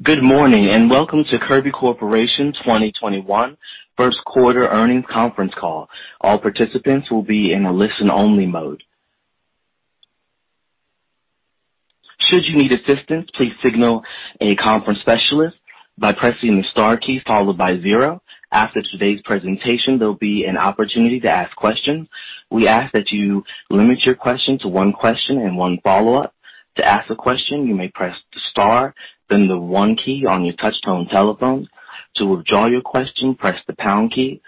Good morning, and welcome to Kirby Corporation 2021 First Quarter Earnings Conference Call. All participants will be in a listen-only mode. Should you need assistance, please signal a conference specialist by pressing the star key followed by zero. After today's presentation, there'll be an opportunity to ask questions. We ask that you limit your question to one question and one follow-up. To ask a question, you may press the star, then the one key on your touch-tone telephone. To withdraw your question, press the pound key.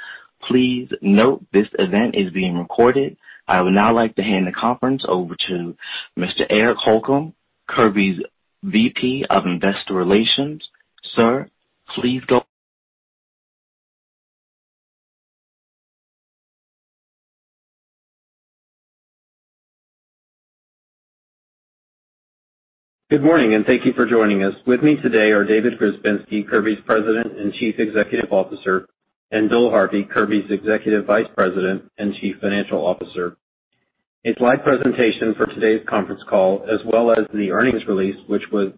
Please note this event is being recorded. I would now like to hand the conference over to Mr. Eric Holcomb, Kirby's VP of Investor Relations. Sir, please go ahead. Good morning, and thank you for joining us. With me today are David Grzebinski, Kirby's President and Chief Executive Officer, and Bill Harvey, Kirby's Executive Vice President and Chief Financial Officer. A slide presentation for today's conference call as well as the earnings release, which was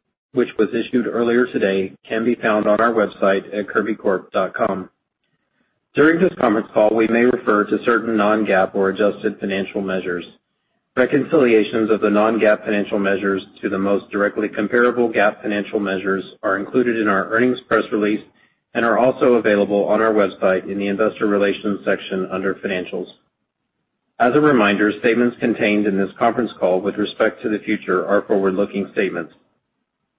issued earlier today, can be found on our website at kirbycorp.com. During this conference call, we may refer to certain non-GAAP or adjusted financial measures. Reconciliations of the non-GAAP financial measures to the most directly comparable GAAP financial measures are included in our earnings press release and are also available on our website in the Investor Relations section under financials. As a reminder, statements contained in this conference call with respect to the future are forward-looking statements.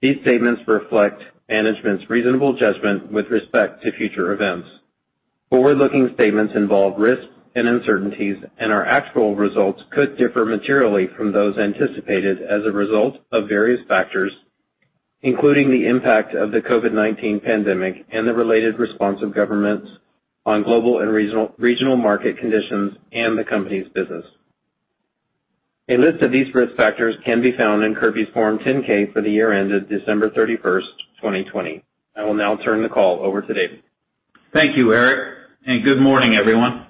These statements reflect management's reasonable judgment with respect to future events. Forward-looking statements involve risks and uncertainties, and our actual results could differ materially from those anticipated as a result of various factors, including the impact of the COVID-19 pandemic and the related response of governments on global and regional market conditions and the company's business. A list of these risk factors can be found in Kirby's Form 10-K for the year ended December 31st, 2020. I will now turn the call over to David. Thank you, Eric, and good morning, everyone.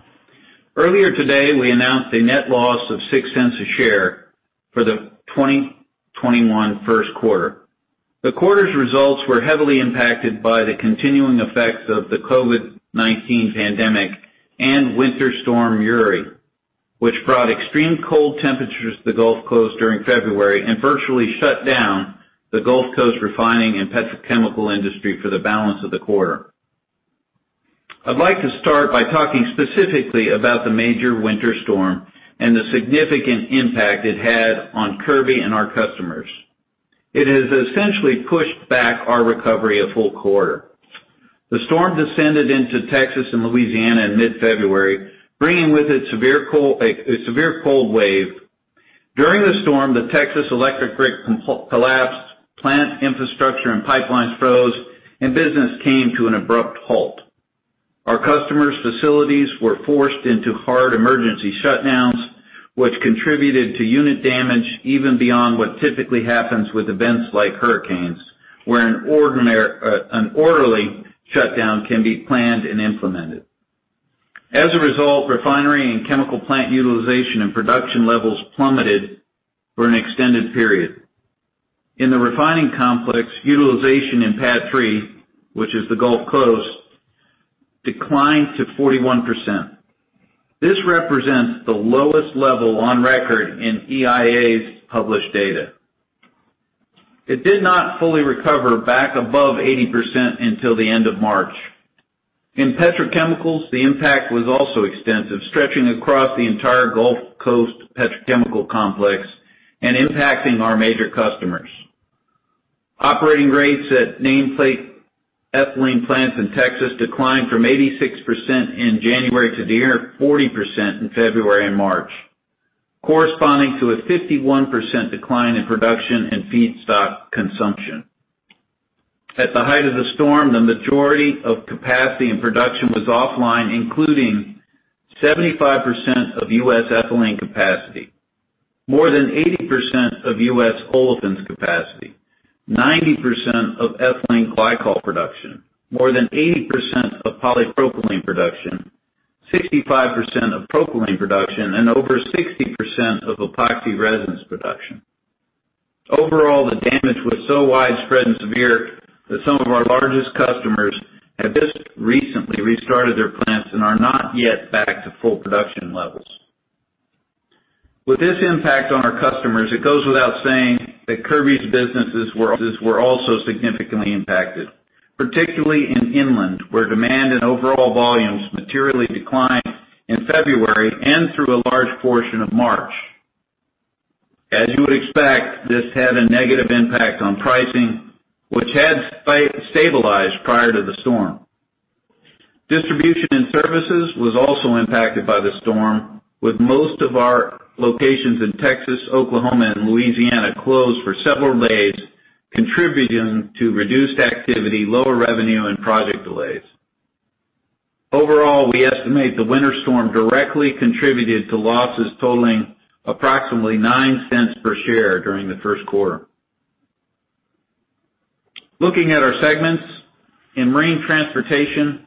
Earlier today, we announced a net loss of $0.06 a share for the 2021 first quarter. The quarter's results were heavily impacted by the continuing effects of the COVID-19 pandemic and Winter Storm Uri, which brought extreme cold temperatures to the Gulf Coast during February and virtually shut down the Gulf Coast refining and petrochemical industry for the balance of the quarter. I'd like to start by talking specifically about the major winter storm and the significant impact it had on Kirby and our customers. It has essentially pushed back our recovery a full quarter. The storm descended into Texas and Louisiana in mid-February, bringing with it a severe cold wave. During the storm, the Texas electric grid collapsed, plant infrastructure and pipelines froze, and business came to an abrupt halt. Our customers' facilities were forced into hard emergency shutdowns, which contributed to unit damage even beyond what typically happens with events like hurricanes, where an orderly shutdown can be planned and implemented. As a result, refinery and chemical plant utilization and production levels plummeted for an extended period. In the refining complex, utilization in PADD 3, which is the Gulf Coast, declined to 41%. This represents the lowest level on record in EIA's published data. It did not fully recover back above 80% until the end of March. In petrochemicals, the impact was also extensive, stretching across the entire Gulf Coast petrochemical complex and impacting our major customers. Operating rates at nameplate ethylene plants in Texas declined from 86% in January to near 40% in February and March, corresponding to a 51% decline in production and feedstock consumption. At the height of the storm, the majority of capacity and production was offline, including 75% of U.S. ethylene capacity, more than 80% of U.S. olefins capacity, 90% of ethylene glycol production, more than 80% of polypropylene production, 65% of propylene production, and over 60% of epoxy resins production. Overall, the damage was so widespread and severe that some of our largest customers have just recently restarted their plants and are not yet back to full production levels. With this impact on our customers, it goes without saying that Kirby's businesses were also significantly impacted, particularly in inland, where demand and overall volumes materially declined in February and through a large portion of March. As you would expect, this had a negative impact on pricing, which had stabilized prior to the storm. Distribution and services was also impacted by the storm, with most of our locations in Texas, Oklahoma, and Louisiana closed for several days, contributing to reduced activity, lower revenue, and project delays. Overall, we estimate the winter storm directly contributed to losses totaling approximately $0.09 per share during the first quarter. Looking at our segments. In Marine Transportation,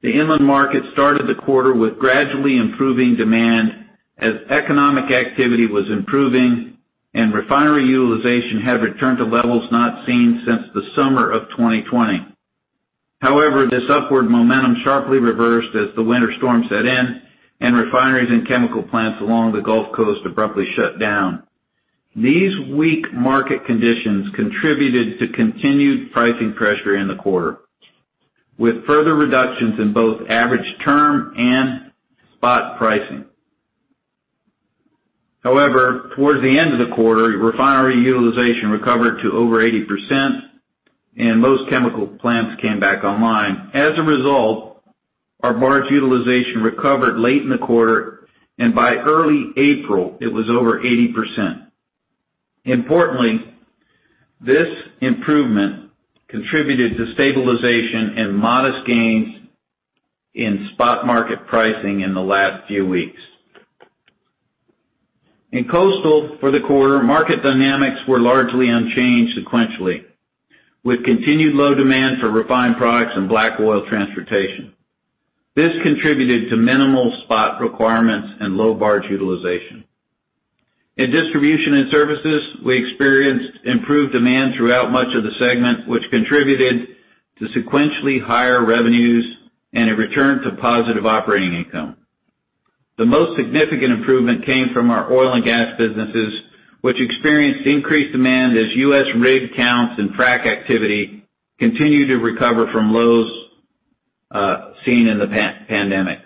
the inland market started the quarter with gradually improving demand as economic activity was improving and refinery utilization had returned to levels not seen since the summer of 2020. This upward momentum sharply reversed as the winter storm set in and refineries and chemical plants along the Gulf Coast abruptly shut down. These weak market conditions contributed to continued pricing pressure in the quarter, with further reductions in both average term and spot pricing. However, towards the end of the quarter, refinery utilization recovered to over 80% and most chemical plants came back online. As a result, our barge utilization recovered late in the quarter, and by early April, it was over 80%. Importantly, this improvement contributed to stabilization and modest gains in spot market pricing in the last few weeks. In coastal, for the quarter, market dynamics were largely unchanged sequentially, with continued low demand for refined products and black oil transportation. This contributed to minimal spot requirements and low barge utilization. In Distribution and Services, we experienced improved demand throughout much of the segment, which contributed to sequentially higher revenues and a return to positive operating income. The most significant improvement came from our oil and gas businesses, which experienced increased demand as U.S. rig counts and frac activity continued to recover from lows seen in the pandemic.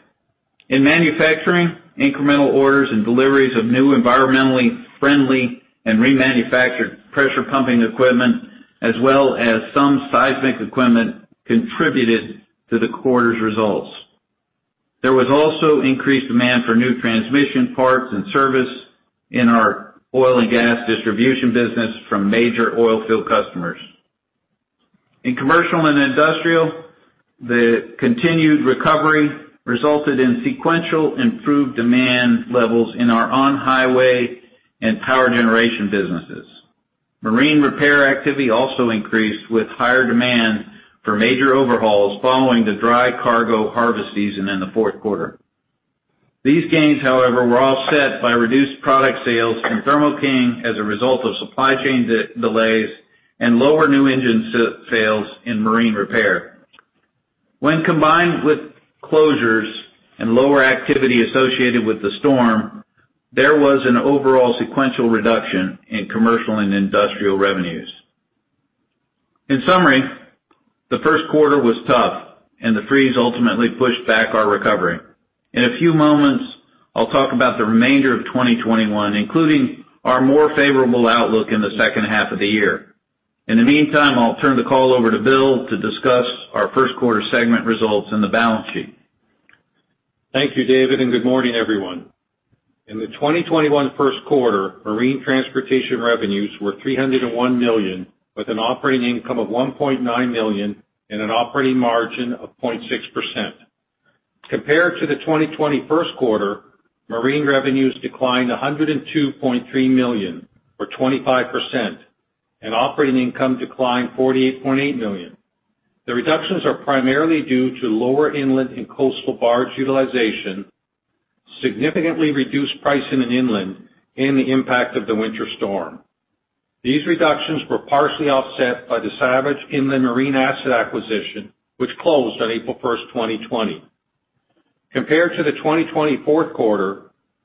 In manufacturing, incremental orders and deliveries of new environmentally friendly and remanufactured pressure pumping equipment, as well as some seismic equipment, contributed to the quarter's results. There was also increased demand for new transmission parts and service in our oil and gas distribution business from major oil field customers. In commercial and industrial, the continued recovery resulted in sequential improved demand levels in our on-highway and power generation businesses. Marine repair activity also increased with higher demand for major overhauls following the dry cargo harvest season in the fourth quarter. These gains, however, were offset by reduced product sales from Thermo King as a result of supply chain delays and lower new engine sales in marine repair. When combined with closures and lower activity associated with the storm, there was an overall sequential reduction in commercial and industrial revenues. In summary, the first quarter was tough and the freeze ultimately pushed back our recovery. In a few moments, I'll talk about the remainder of 2021, including our more favorable outlook in the second half of the year. In the meantime, I'll turn the call over to Bill to discuss our first quarter segment results and the balance sheet. Thank you, David, good morning, everyone. In the 2021 first quarter, Marine Transportation revenues were $301 million, with an operating income of $1.9 million and an operating margin of 0.6%. Compared to the 2020 first quarter, marine revenues declined $102.3 million, or 25%, and operating income declined $48.8 million. The reductions are primarily due to lower inland and coastal barge utilization, significantly reduced pricing in inland, and the impact of the winter storm. These reductions were partially offset by the Savage Inland Marine asset acquisition, which closed on April 1st, 2020. Compared to the 2020 fourth quarter,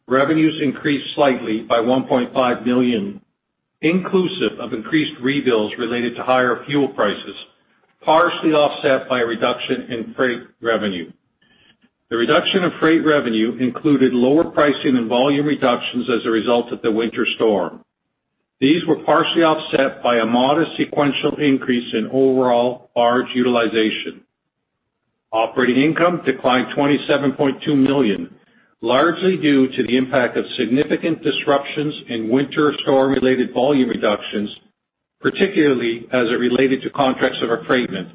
revenues increased slightly by [$1.5 million], inclusive of increased rebills related to higher fuel prices, partially offset by a reduction in freight revenue. The reduction of freight revenue included lower pricing and volume reductions as a result of the winter storm. These were partially offset by a modest sequential increase in overall barge utilization. Operating income declined $27.2 million, largely due to the impact of significant disruptions in winter storm-related volume reductions, particularly as it related to contracts of affreightment,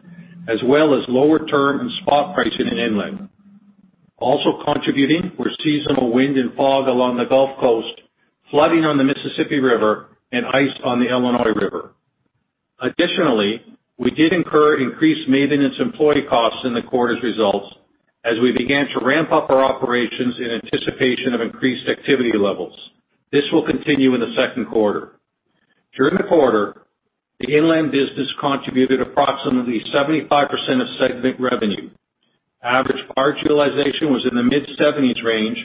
as well as lower term and spot pricing in inland. Also contributing were seasonal wind and fog along the Gulf Coast, flooding on the Mississippi River, and ice on the Illinois River. Additionally, we did incur increased maintenance employee costs in the quarter's results as we began to ramp up our operations in anticipation of increased activity levels. This will continue in the second quarter. During the quarter, the inland business contributed approximately 75% of segment revenue. Average barge utilization was in the mid-70s range,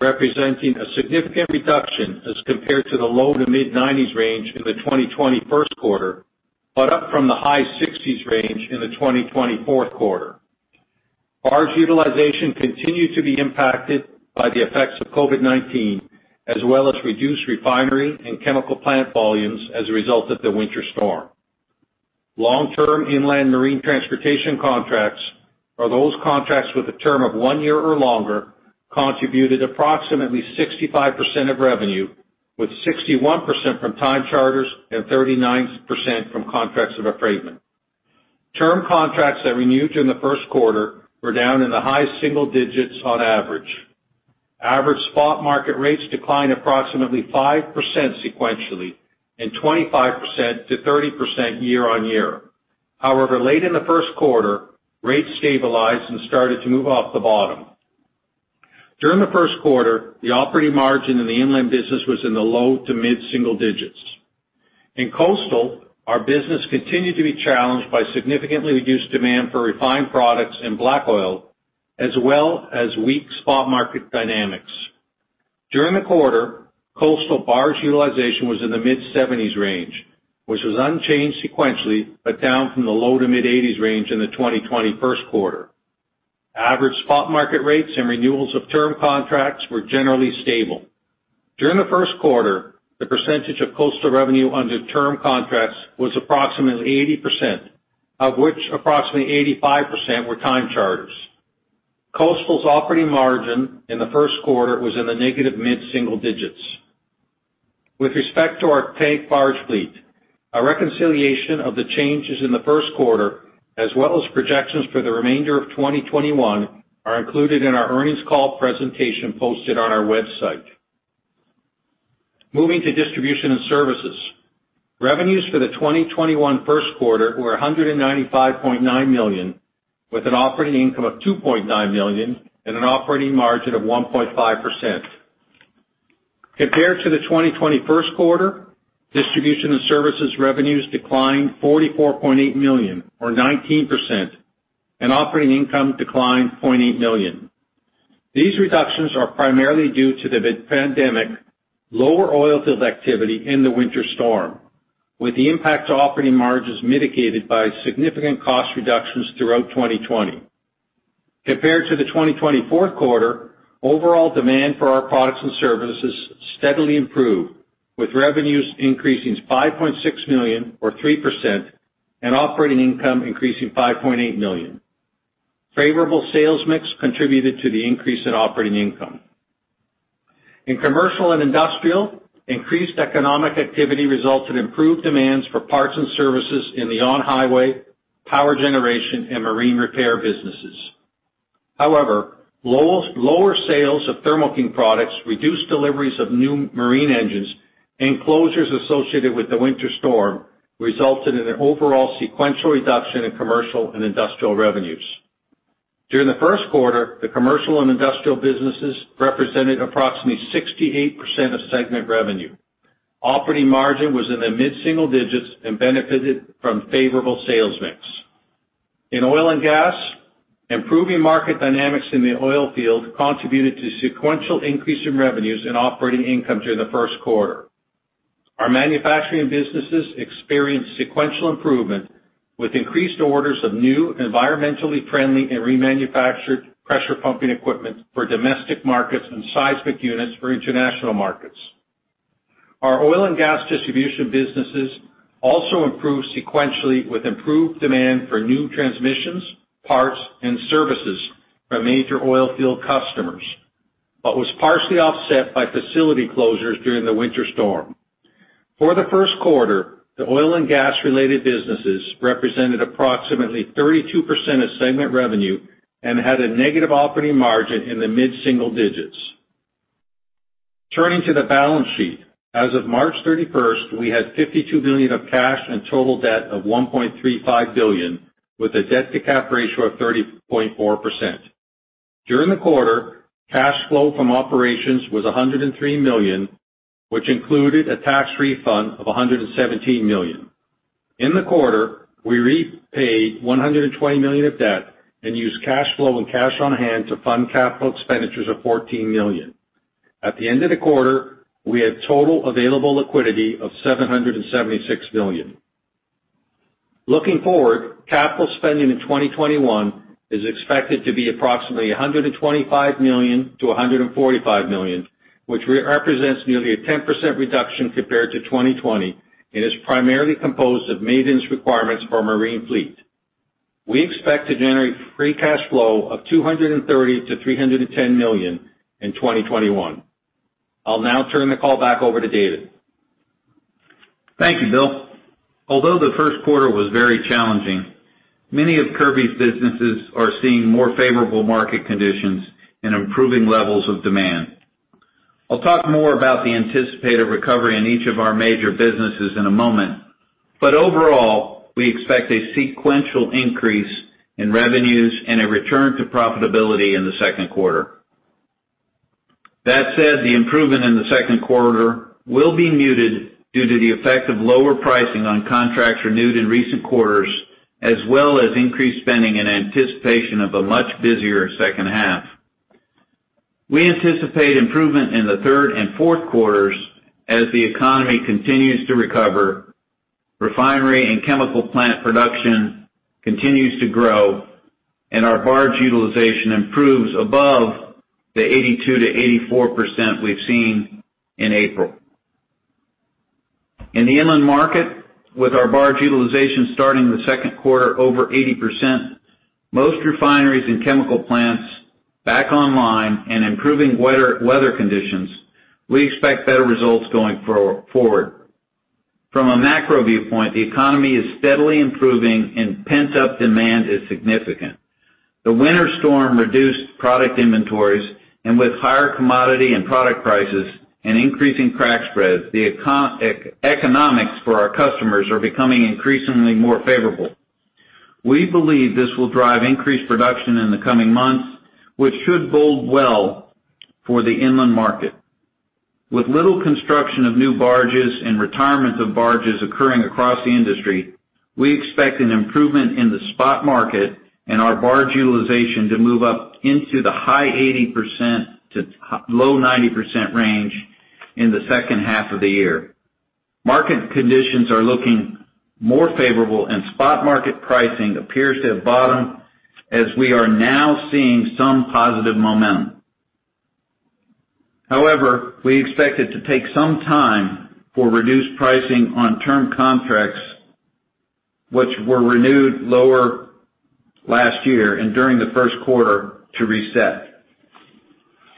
representing a significant reduction as compared to the low to mid-90s range in the 2020 first quarter, but up from the high 60s range in the 2020 fourth quarter. Barge utilization continued to be impacted by the effects of COVID-19, as well as reduced refinery and chemical plant volumes as a result of the winter storm. Long-term inland Marine Transportation contracts are those contracts with a term of one year or longer, contributed approximately 65% of revenue, with 61% from time charters and 39% from contracts of affreightment. Term contracts that renewed in the first quarter were down in the high single digits on average. Average spot market rates declined approximately 5% sequentially and 25%-30% year-on-year. However, late in the first quarter, rates stabilized and started to move off the bottom. During the first quarter, the operating margin in the inland business was in the low to mid-single digits. In Coastal, our business continued to be challenged by significantly reduced demand for refined products and black oil, as well as weak spot market dynamics. During the quarter, Coastal barge utilization was in the mid-70s range, which was unchanged sequentially, but down from the low to mid-80s range in the 2020 first quarter. Average spot market rates and renewals of term contracts were generally stable. During the first quarter, the percentage of Coastal revenue under term contracts was approximately 80%, of which approximately 85% were time charters. Coastal's operating margin in the first quarter was in the negative mid-single digits. With respect to our tank barge fleet, a reconciliation of the changes in the first quarter, as well as projections for the remainder of 2021, are included in our earnings call presentation posted on our website. Moving to Distribution and Services. Revenues for the 2021 first quarter were $195.9 million, with an operating income of $2.9 million and an operating margin of 1.5%. Compared to the 2020 first quarter, Distribution and Services revenues declined $44.8 million or 19%, and operating income declined $0.8 million. These reductions are primarily due to the pandemic, lower oil field activity in the winter storm, with the impact to operating margins mitigated by significant cost reductions throughout 2020. Compared to the 2020 fourth quarter, overall demand for our products and services steadily improved, with revenues increasing $5.6 million or 3%, and operating income increasing $5.8 million. Favorable sales mix contributed to the increase in operating income. In commercial and industrial, increased economic activity resulted in improved demands for parts and services in the on-highway, power generation, and marine repair businesses. However, lower sales of Thermo King products reduced deliveries of new marine engines, and closures associated with the winter storm resulted in an overall sequential reduction in commercial and industrial revenues. During the first quarter, the commercial and industrial businesses represented approximately 68% of segment revenue. Operating margin was in the mid-single digits and benefited from favorable sales mix. In oil and gas, improving market dynamics in the oil field contributed to sequential increase in revenues and operating income during the first quarter. Our manufacturing businesses experienced sequential improvement with increased orders of new, environmentally friendly, and remanufactured pressure pumping equipment for domestic markets and seismic units for international markets. Our oil and gas distribution businesses also improved sequentially with improved demand for new transmissions, parts, and services from major oil field customers, but was partially offset by facility closures during the winter storm. For the first quarter, the oil and gas-related businesses represented approximately 32% of segment revenue and had a negative operating margin in the mid-single digits. Turning to the balance sheet. As of March 31st, we had $52 million of cash and total debt of $1.35 billion, with a debt to cap ratio of 30.4%. During the quarter, cash flow from operations was $103 million, which included a tax refund of $117 million. In the quarter, we repaid $120 million of debt and used cash flow and cash on hand to fund capital expenditures of $14 million. At the end of the quarter, we had total available liquidity of $776 million. Looking forward, capital spending in 2021 is expected to be approximately $125 million-$145 million, which represents nearly a 10% reduction compared to 2020 and is primarily composed of maintenance requirements for our marine fleet. We expect to generate free cash flow of $230 million-$310 million in 2021. I'll now turn the call back over to David. Thank you, Bill. Although the first quarter was very challenging, many of Kirby's businesses are seeing more favorable market conditions and improving levels of demand. I'll talk more about the anticipated recovery in each of our major businesses in a moment, but overall, we expect a sequential increase in revenues and a return to profitability in the second quarter. That said, the improvement in the second quarter will be muted due to the effect of lower pricing on contracts renewed in recent quarters, as well as increased spending in anticipation of a much busier second half. We anticipate improvement in the third and fourth quarters as the economy continues to recover, refinery and chemical plant production continues to grow, and our barge utilization improves above the 82%-84% we've seen in April. In the inland market, with our barge utilization starting the second quarter over 80%, most refineries and chemical plants back online, and improving weather conditions, we expect better results going forward. From a macro viewpoint, the economy is steadily improving and pent-up demand is significant. The winter storm reduced product inventories, and with higher commodity and product prices and increasing crack spreads, the economics for our customers are becoming increasingly more favorable. We believe this will drive increased production in the coming months, which should bode well for the inland market. With little construction of new barges and retirement of barges occurring across the industry, we expect an improvement in the spot market and our barge utilization to move up into the high 80% to low 90% range in the second half of the year. Market conditions are looking more favorable, and spot market pricing appears to have bottomed as we are now seeing some positive momentum. However, we expect it to take some time for reduced pricing on term contracts, which were renewed lower last year and during the first quarter, to reset.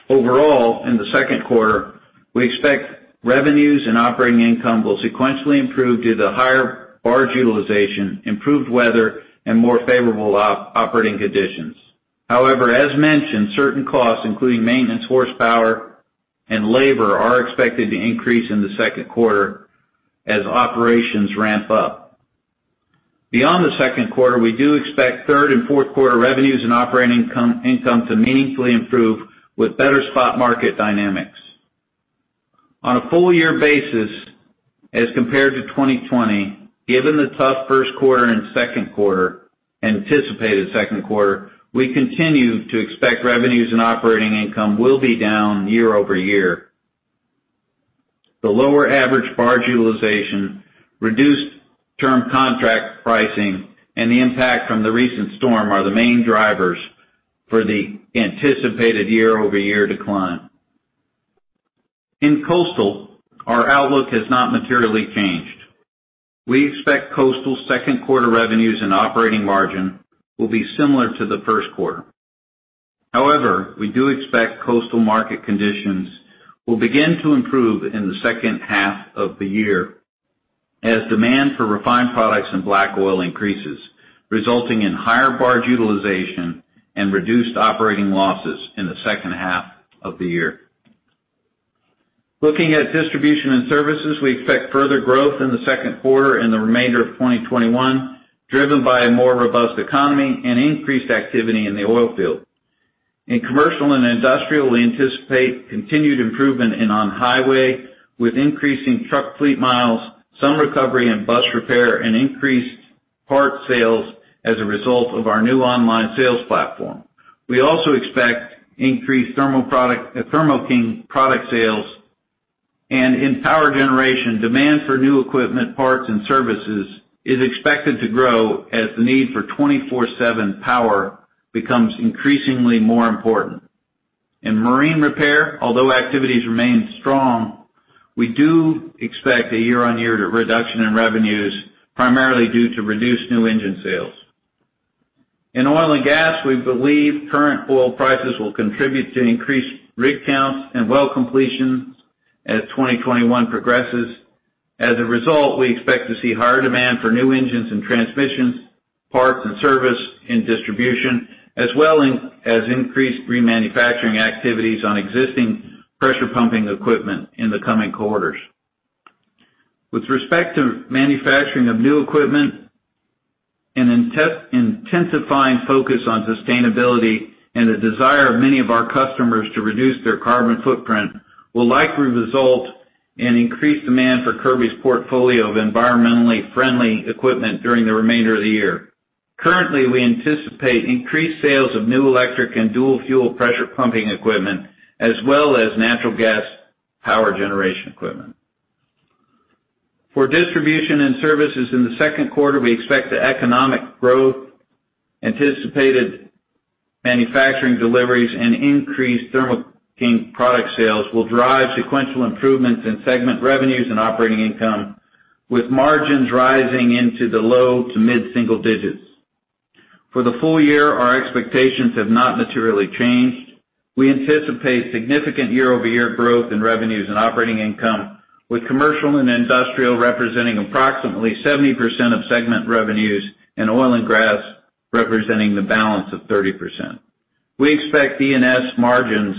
Overall, in the second quarter, we expect revenues and operating income will sequentially improve due to higher barge utilization, improved weather, and more favorable operating conditions. However, as mentioned, certain costs, including maintenance, horsepower, and labor, are expected to increase in the second quarter as operations ramp up. Beyond the second quarter, we do expect third and fourth quarter revenues and operating income to meaningfully improve with better spot market dynamics. On a full-year basis as compared to 2020, given the tough first quarter and second quarter, anticipated second quarter, we continue to expect revenues and operating income will be down year-over-year. The lower average barge utilization, reduced term contract pricing, and the impact from the recent storm are the main drivers for the anticipated year-over-year decline. In coastal, our outlook has not materially changed. We expect coastal second quarter revenues and operating margin will be similar to the first quarter. We do expect coastal market conditions will begin to improve in the second half of the year as demand for refined products and black oil increases, resulting in higher barge utilization and reduced operating losses in the second half of the year. Looking at Distribution and Services, we expect further growth in the second quarter and the remainder of 2021, driven by a more robust economy and increased activity in the oilfield. In commercial and industrial, we anticipate continued improvement in on-highway with increasing truck fleet miles, some recovery in bus repair, and increased part sales as a result of our new online sales platform. We also expect increased Thermo King product sales. In Power Generation, demand for new equipment, parts, and services is expected to grow as the need for 24/7 power becomes increasingly more important. In marine repair, although activities remain strong, we do expect a year-on-year reduction in revenues, primarily due to reduced new engine sales. In oil and gas, we believe current oil prices will contribute to increased rig counts and well completions as 2021 progresses. As a result, we expect to see higher demand for new engines and transmissions, parts and service and distribution, as well as increased remanufacturing activities on existing pressure pumping equipment in the coming quarters. With respect to manufacturing of new equipment, an intensifying focus on sustainability and the desire of many of our customers to reduce their carbon footprint will likely result in increased demand for Kirby's portfolio of environmentally friendly equipment during the remainder of the year. Currently, we anticipate increased sales of new electric and dual-fuel pressure pumping equipment, as well as natural gas power generation equipment. For Distribution and Services in the second quarter, we expect the economic growth, anticipated manufacturing deliveries, and increased Thermo King product sales will drive sequential improvements in segment revenues and operating income, with margins rising into the low to mid-single digits. For the full year, our expectations have not materially changed. We anticipate significant year-over-year growth in revenues and operating income, with commercial and industrial representing approximately 70% of segment revenues and oil and gas representing the balance of 30%. We expect D&S margins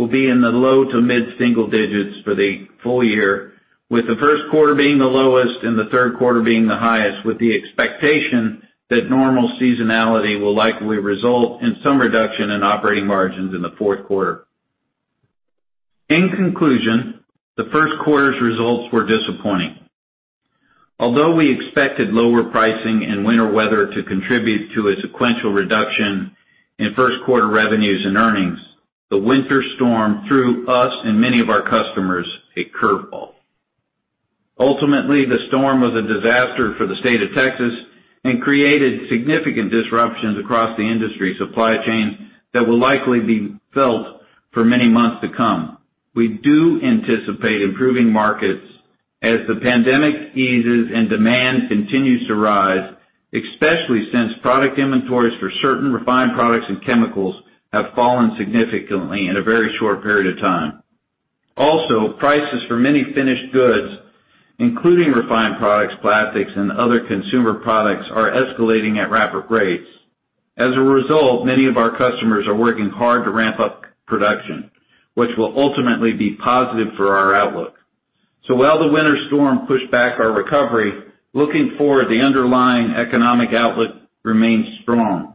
will be in the low to mid-single digits for the full year, with the first quarter being the lowest and the third quarter being the highest, with the expectation that normal seasonality will likely result in some reduction in operating margins in the fourth quarter. In conclusion, the first quarter's results were disappointing. Although we expected lower pricing and winter weather to contribute to a sequential reduction in first quarter revenues and earnings, the winter storm threw us and many of our customers a curveball. Ultimately, the storm was a disaster for the state of Texas and created significant disruptions across the industry supply chain that will likely be felt for many months to come. We do anticipate improving markets as the pandemic eases and demand continues to rise. Especially since product inventories for certain refined products and chemicals have fallen significantly in a very short period of time. Prices for many finished goods, including refined products, plastics, and other consumer products, are escalating at rapid rates. Many of our customers are working hard to ramp up production, which will ultimately be positive for our outlook. While the winter storm pushed back our recovery, looking forward, the underlying economic outlook remains strong.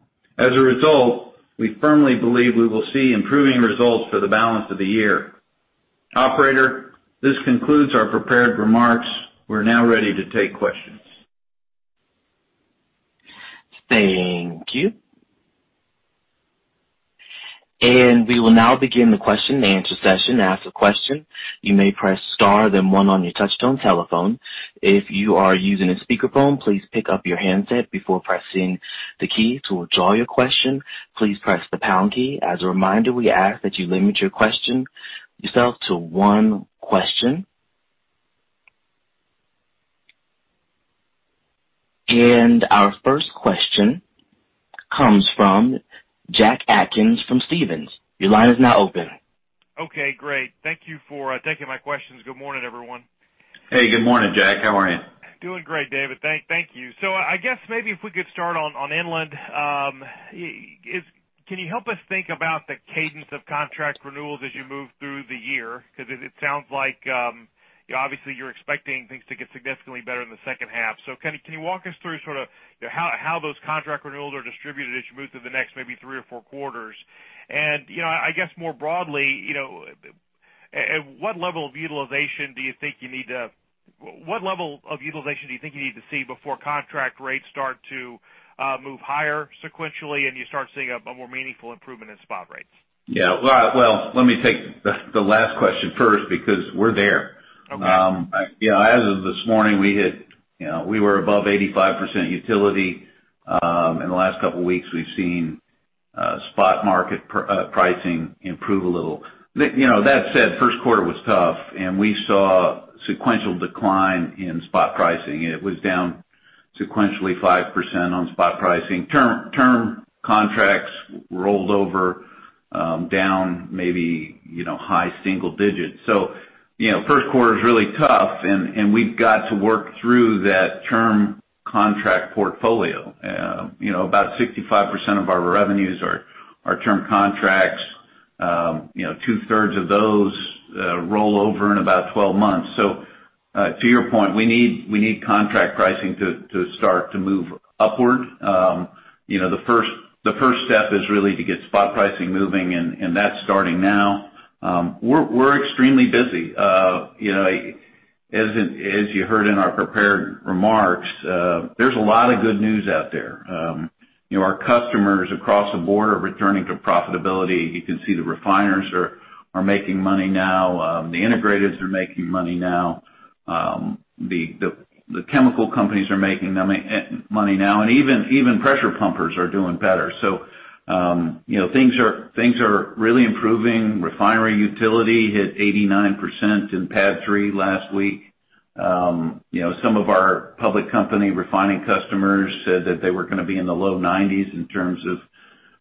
We firmly believe we will see improving results for the balance of the year. Operator, this concludes our prepared remarks. We're now ready to take questions. Thank you. We will now begin the question-and-answer session. To ask a question you may press star then one on your touch-tone telephone. If you are using a speakerphone please pick up your handset before pressing the key. To withdraw your question please press the pound key. As a reminder we ask that you limit yourself to one question. Our first question comes from Jack Atkins from Stephens. Your line is now open. Okay, great. Thank you for taking my questions. Good morning, everyone. Hey, good morning, Jack. How are you? Doing great, David. Thank you. I guess maybe if we could start on inland. Can you help us think about the cadence of contract renewals as you move through the year? It sounds like, obviously, you're expecting things to get significantly better in the second half. Can you walk us through how those contract renewals are distributed as you move to the next maybe three or four quarters? I guess more broadly, at what level of utilization do you think you need to see before contract rates start to move higher sequentially and you start seeing a more meaningful improvement in spot rates? Yeah. Well, let me take the last question first because we're there. Okay. As of this morning, we were above 85% utility. In the last couple of weeks, we've seen spot market pricing improve a little. That said, first quarter was tough, and we saw sequential decline in spot pricing. It was down sequentially 5% on spot pricing. Term contracts rolled over down maybe high single digits. First quarter is really tough, and we've got to work through that term contract portfolio. About 65% of our revenues are term contracts. Two-thirds of those roll over in about 12 months. To your point, we need contract pricing to start to move upward. The first step is really to get spot pricing moving, and that's starting now. We're extremely busy. As you heard in our prepared remarks, there's a lot of good news out there. Our customers across the board are returning to profitability. You can see the refiners are making money now. The integrateds are making money now. The chemical companies are making money now, and even pressure pumpers are doing better. Things are really improving. Refinery utility hit 89% in PADD 3 last week. Some of our public company refining customers said that they were going to be in the low 90s in terms of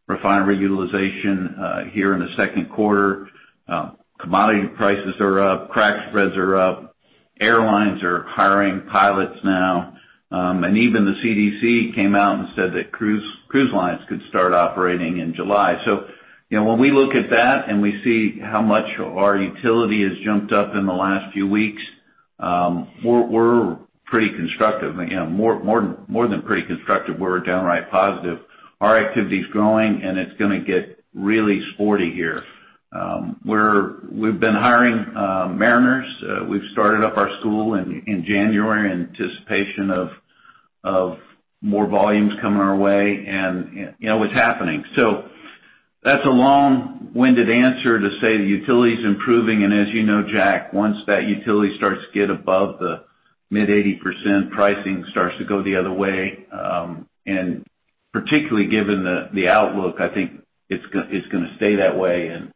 refinery utilization here in the second quarter. Commodity prices are up. Crack spreads are up. Airlines are hiring pilots now. Even the CDC came out and said that cruise lines could start operating in July. When we look at that and we see how much our utility has jumped up in the last few weeks, we're pretty constructive. More than pretty constructive. We're downright positive. Our activity is growing, and it's going to get really sporty here. We've been hiring mariners. We've started up our school in January in anticipation of more volumes coming our way, and it's happening. That's a long-winded answer to say the utility's improving. As you know, Jack, once that utility starts to get above the mid-80%, pricing starts to go the other way. Particularly given the outlook, I think it's going to stay that way and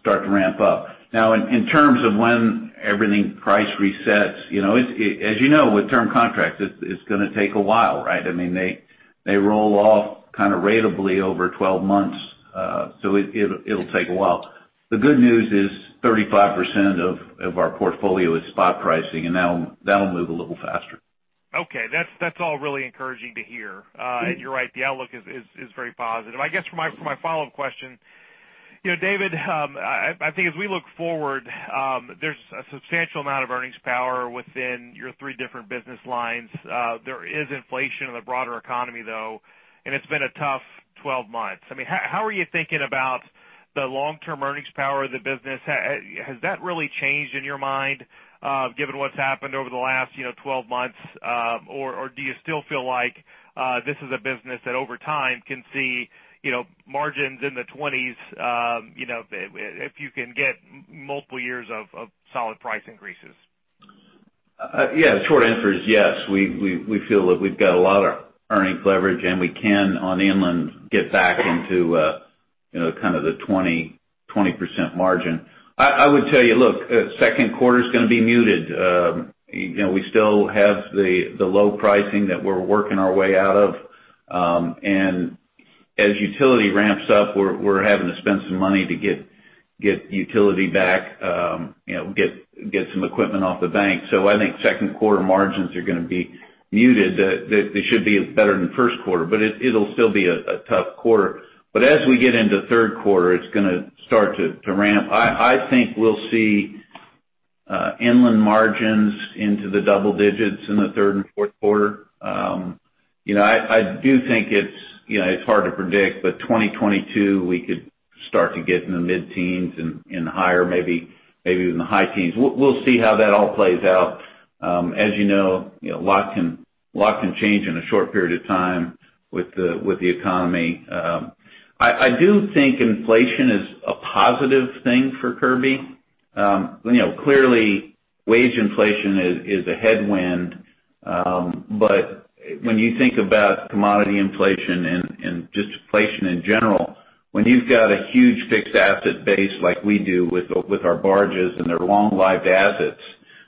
start to ramp up. Now, in terms of when everything price resets, as you know, with term contracts, it's going to take a while, right? They roll off kind of ratably over 12 months. It'll take a while. The good news is 35% of our portfolio is spot pricing, and that'll move a little faster. Okay. That's all really encouraging to hear. You're right, the outlook is very positive. I guess for my follow-up question, David, I think as we look forward, there's a substantial amount of earnings power within your three different business lines. There is inflation in the broader economy, though, and it's been a tough 12 months. How are you thinking about the long-term earnings power of the business? Has that really changed in your mind given what's happened over the last 12 months? Or do you still feel like this is a business that over time can see margins in the 20s if you can get multiple years of solid price increases? Yeah. The short answer is yes. We feel that we've got a lot of earnings leverage, and we can, on inland, get back into kind of the 20% margin. I would tell you, look, second quarter's going to be muted. We still have the low pricing that we're working our way out of. As utility ramps up, we're having to spend some money to get utility back, get some equipment off the bank. I think second quarter margins are going to be muted. They should be better than first quarter, but it'll still be a tough quarter. As we get into third quarter, it's going to start to ramp. I think we'll see inland margins into the double digits in the third and fourth quarter. I do think it's hard to predict, 2022, we could start to get in the mid-teens and higher, maybe even the high teens. We'll see how that all plays out. As you know, a lot can change in a short period of time with the economy. I do think inflation is a positive thing for Kirby. Clearly, wage inflation is a headwind. When you think about commodity inflation and just inflation in general, when you've got a huge fixed asset base like we do with our barges, and they're long-lived assets,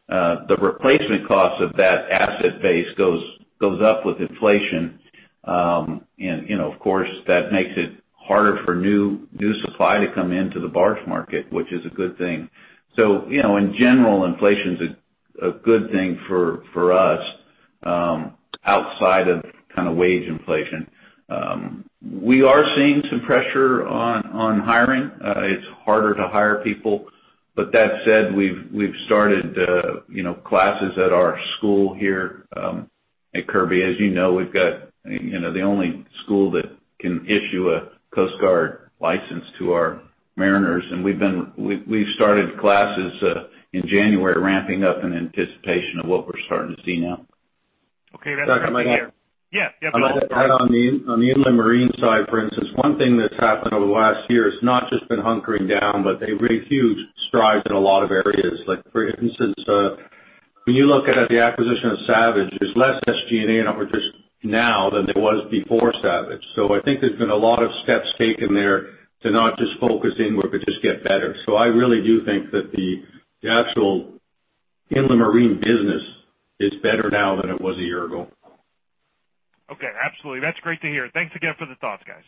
the replacement cost of that asset base goes up with inflation. Of course, that makes it harder for new supply to come into the barge market, which is a good thing. In general, inflation is a good thing for us outside of wage inflation. We are seeing some pressure on hiring. It's harder to hire people. That said, we've started classes at our school here at Kirby. As you know, we've got the only school that can issue a Coast Guard license to our mariners, and we've started classes in January, ramping up in anticipation of what we're starting to see now. Okay. That's great to hear. Jack, I might add- Yeah. I might add on the inland marine side, for instance, one thing that's happened over the last year is not just been hunkering down, but a really huge stride in a lot of areas. Like, for instance, when you look at the acquisition of Savage, there's less SG&A numbers now than there was before Savage. I think there's been a lot of steps taken there to not just focus inward, but just get better. I really do think that the actual inland marine business is better now than it was a year ago. Okay. Absolutely. That's great to hear. Thanks again for the thoughts, guys.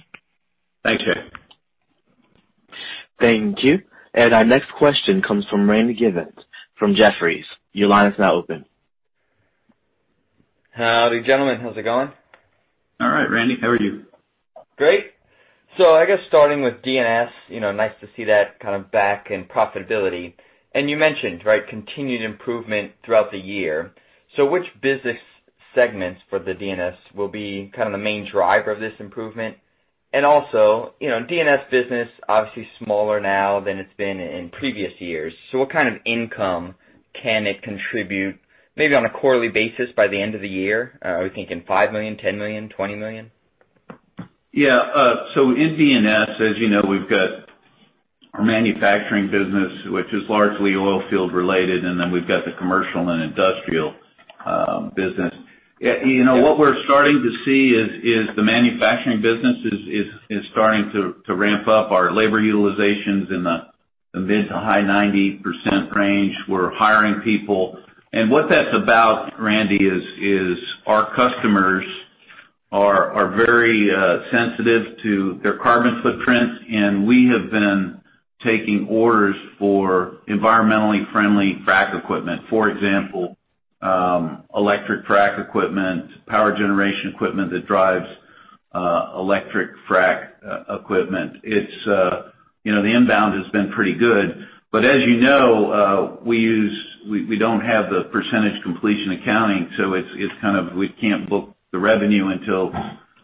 Thanks, Jack. Thank you. Our next question comes from Randy Giveans from Jefferies. Your line is now open. Howdy, gentlemen. How's it going? All right, Randy. How are you? Great. I guess starting with D&S, nice to see that kind of back in profitability. You mentioned continued improvement throughout the year. Which business segments for the D&S will be kind of the main driver of this improvement? Also, D&S business, obviously smaller now than it's been in previous years. What kind of income can it contribute, maybe on a quarterly basis by the end of the year? Are we thinking $5 million, $10 million, $20 million? Yeah. In D&S, as you know, we've got our manufacturing business, which is largely oil field related, and then we've got the commercial and industrial business. What we're starting to see is the manufacturing business is starting to ramp up. Our labor utilization's in the mid to high 90% range. We're hiring people. What that's about, Randy, is our customers are very sensitive to their carbon footprint, and we have been taking orders for environmentally friendly frac equipment. For example, electric frac equipment, power generation equipment that drives electric frac equipment. The inbound has been pretty good. As you know, we don't have the percentage completion accounting, so we can't book the revenue until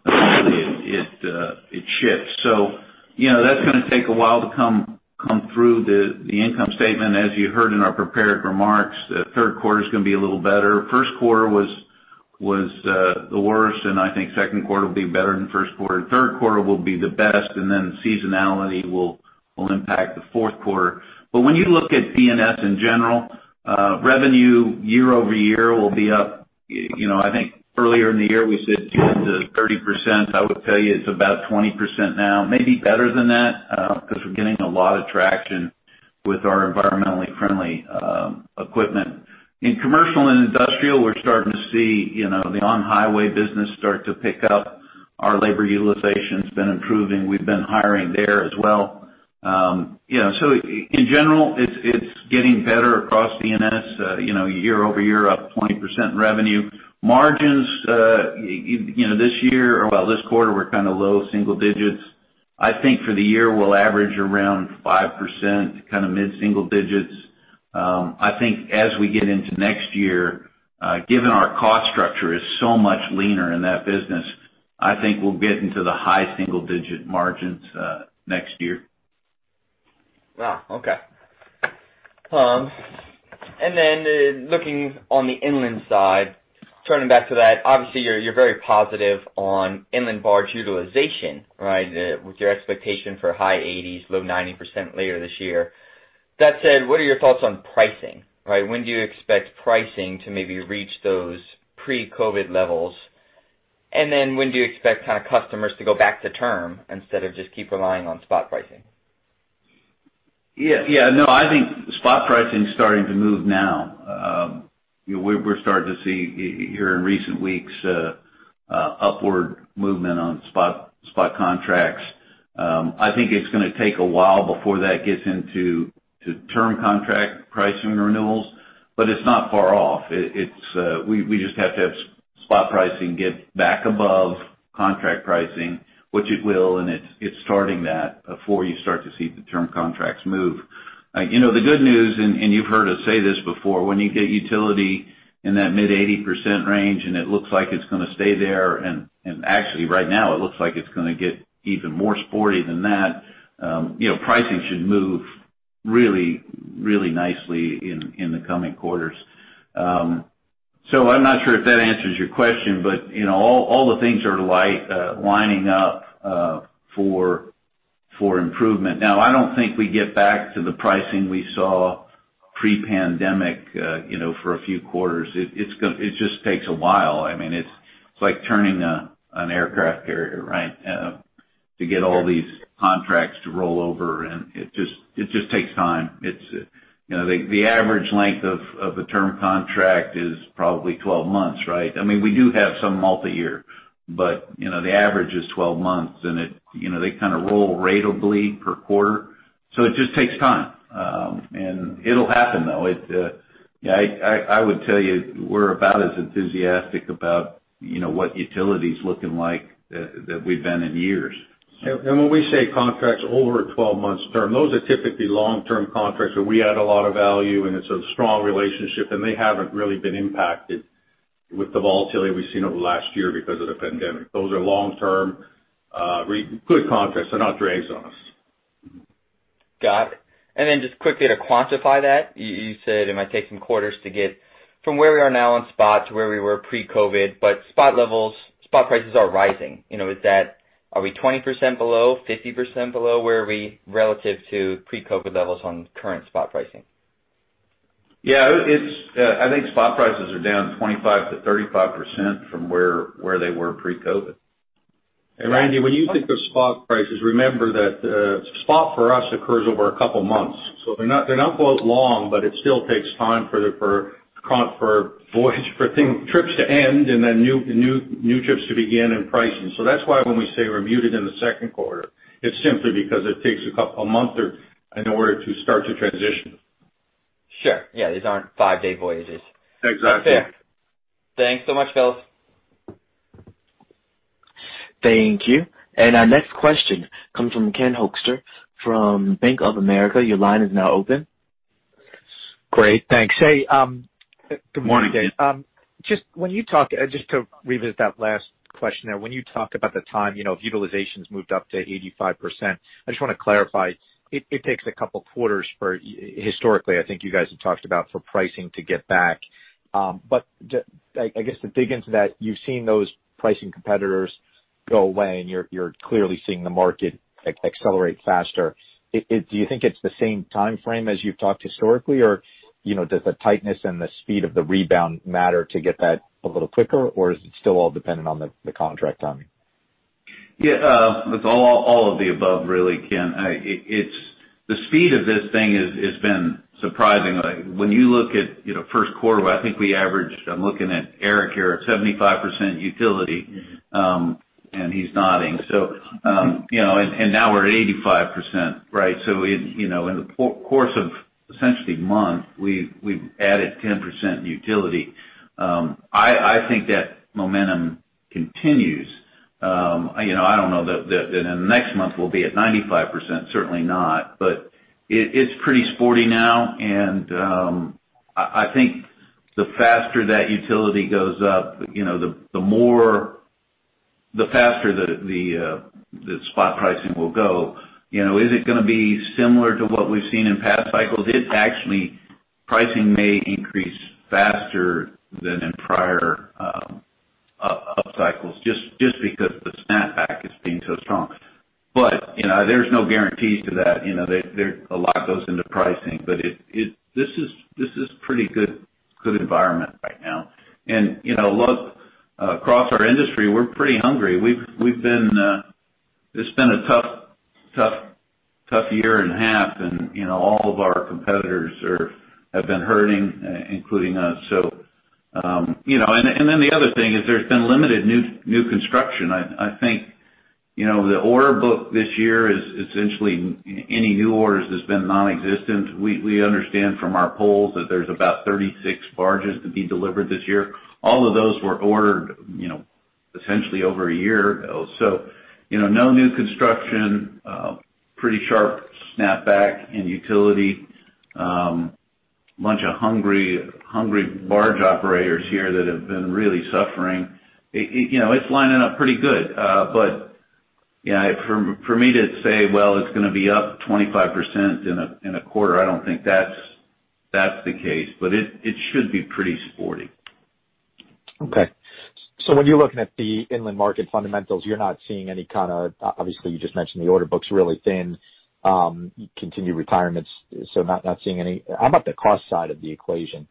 actually it ships. That's going to take a while to come through the income statement. As you heard in our prepared remarks, third quarter's going to be a little better. First quarter was the worst. I think second quarter will be better than first quarter. Third quarter will be the best. Seasonality will impact the fourth quarter. When you look at D&S in general, revenue year-over-year will be up. I think earlier in the year we said 10%-30%. I would tell you it's about 20% now, maybe better than that because we're getting a lot of traction with our environmentally friendly equipment. In commercial and industrial, we're starting to see the on-highway business start to pick up. Our labor utilization's been improving. We've been hiring there as well. In general, it's getting better across D&S. Year-over-year, up 20% in revenue. Margins this quarter were kind of low single digits. I think for the year we'll average around 5%, kind of mid-single digits. I think as we get into next year, given our cost structure is so much leaner in that business, I think we'll get into the high single-digit margins next year. Wow. Okay. Looking on the inland side, turning back to that, obviously you're very positive on inland barge utilization. With your expectation for high 80s, low 90% later this year. That said, what are your thoughts on pricing? When do you expect pricing to maybe reach those pre-COVID-19 levels? When do you expect kind of customers to go back to term instead of just keep relying on spot pricing? Yeah. No, I think spot pricing is starting to move now. We're starting to see here in recent weeks, upward movement on spot contracts. I think it's going to take a while before that gets into term contract pricing renewals, but it's not far off. We just have to have spot pricing get back above contract pricing, which it will, and it's starting that before you start to see the term contracts move. The good news, and you've heard us say this before, when you get utility in that mid-80% range and it looks like it's going to stay there, and actually right now it looks like it's going to get even more sporty than that. Pricing should move really nicely in the coming quarters. I'm not sure if that answers your question, but all the things are lining up for improvement. Now, I don't think we get back to the pricing we saw pre-pandemic for a few quarters. It just takes a while. It's like turning an aircraft carrier to get all these contracts to roll over, and it just takes time. The average length of a term contract is probably 12 months. We do have some multi-year, but the average is 12 months, and they kind of roll ratably per quarter. It just takes time. It'll happen, though. I would tell you, we're about as enthusiastic about what utility is looking like than we've been in years. When we say contracts over a 12 months term, those are typically long-term contracts where we add a lot of value, and it's a strong relationship, and they haven't really been impacted with the volatility we've seen over the last year because of the pandemic. Those are long-term good contracts. They're not drags on us. Got it. Just quickly to quantify that. You said it might take some quarters to get from where we are now on spot to where we were pre-COVID, spot prices are rising. Are we 20% below, 50% below? Where are we relative to pre-COVID levels on current spot pricing? Yeah. I think spot prices are down 25%-35% from where they were pre-COVID. Randy, when you think of spot prices, remember that spot for us occurs over a couple of months. They're not quote long, but it still takes time for trips to end and then new trips to begin and pricing. That's why when we say we're muted in the second quarter, it's simply because it takes a month in order to start to transition. Sure. Yeah. These aren't five-day voyages. Exactly. Fair. Thanks so much, fellas. Thank you. Our next question comes from Ken Hoexter from Bank of America. Great. Thanks. Hey, good morning, guys. Morning, Ken. Just to revisit that last question there, when you talk about the time utilization's moved up to 85%, I just want to clarify. It takes a couple quarters for, historically, I think you guys have talked about, for pricing to get back. I guess to dig into that, you've seen those pricing competitors go away and you're clearly seeing the market accelerate faster. Do you think it's the same timeframe as you've talked historically? Or does the tightness and the speed of the rebound matter to get that a little quicker? Or is it still all dependent on the contract timing? It's all of the above, really, Ken. The speed of this thing has been surprising. When you look at first quarter, I think we averaged, I'm looking at Eric here, at 75% utility. He's nodding. Now we're at 85%. In the course of essentially a month, we've added 10% utility. I think that momentum continues. I don't know that in the next month we'll be at 95%, certainly not. It's pretty sporty now, and I think the faster that utility goes up, the faster the spot pricing will go. Is it going to be similar to what we've seen in past cycles? Actually, pricing may increase faster than in prior up cycles just because the snap back is being so strong. There's no guarantees to that. A lot goes into pricing. This is pretty good environment right now. Look across our industry, we're pretty hungry. It's been a tough year and a half, all of our competitors have been hurting, including us. The other thing is there's been limited new construction. I think the order book this year is essentially any new orders has been non-existent. We understand from our polls that there's about 36 barges to be delivered this year. All of those were ordered essentially over a year ago. No new construction, pretty sharp snap back in utility. Bunch of hungry barge operators here that have been really suffering. It's lining up pretty good. For me to say, "Well, it's going to be up 25% in a quarter," I don't think that's the case, but it should be pretty sporty. Okay. When you're looking at the inland market fundamentals, Obviously, you just mentioned the order book's really thin, continued retirements, not seeing any? How about the cost side of the equation?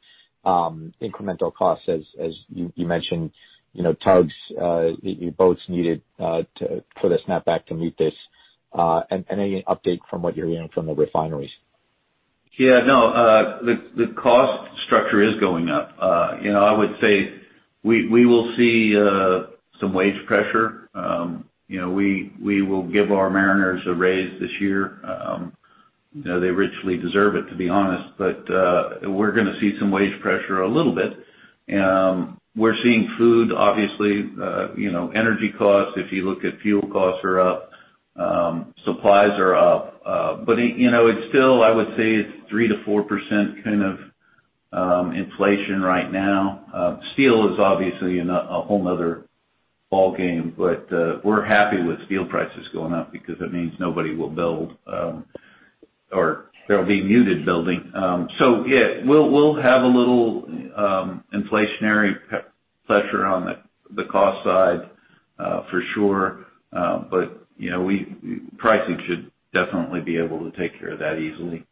Incremental costs as you mentioned, tugs, your boats needed for the snapback to meet this, and any update from what you're hearing from the refineries? Yeah, no. The cost structure is going up. I would say we will see some wage pressure. We will give our mariners a raise this year. They richly deserve it, to be honest. We're going to see some wage pressure a little bit. We're seeing food, obviously, energy costs, if you look at fuel costs are up, supplies are up. It's still, I would say, it's 3%-4% kind of inflation right now. Steel is obviously a whole other ballgame, but we're happy with steel prices going up because it means nobody will build, or there'll be muted building. Yeah, we'll have a little inflationary pressure on the cost side for sure. Pricing should definitely be able to take care of that easily.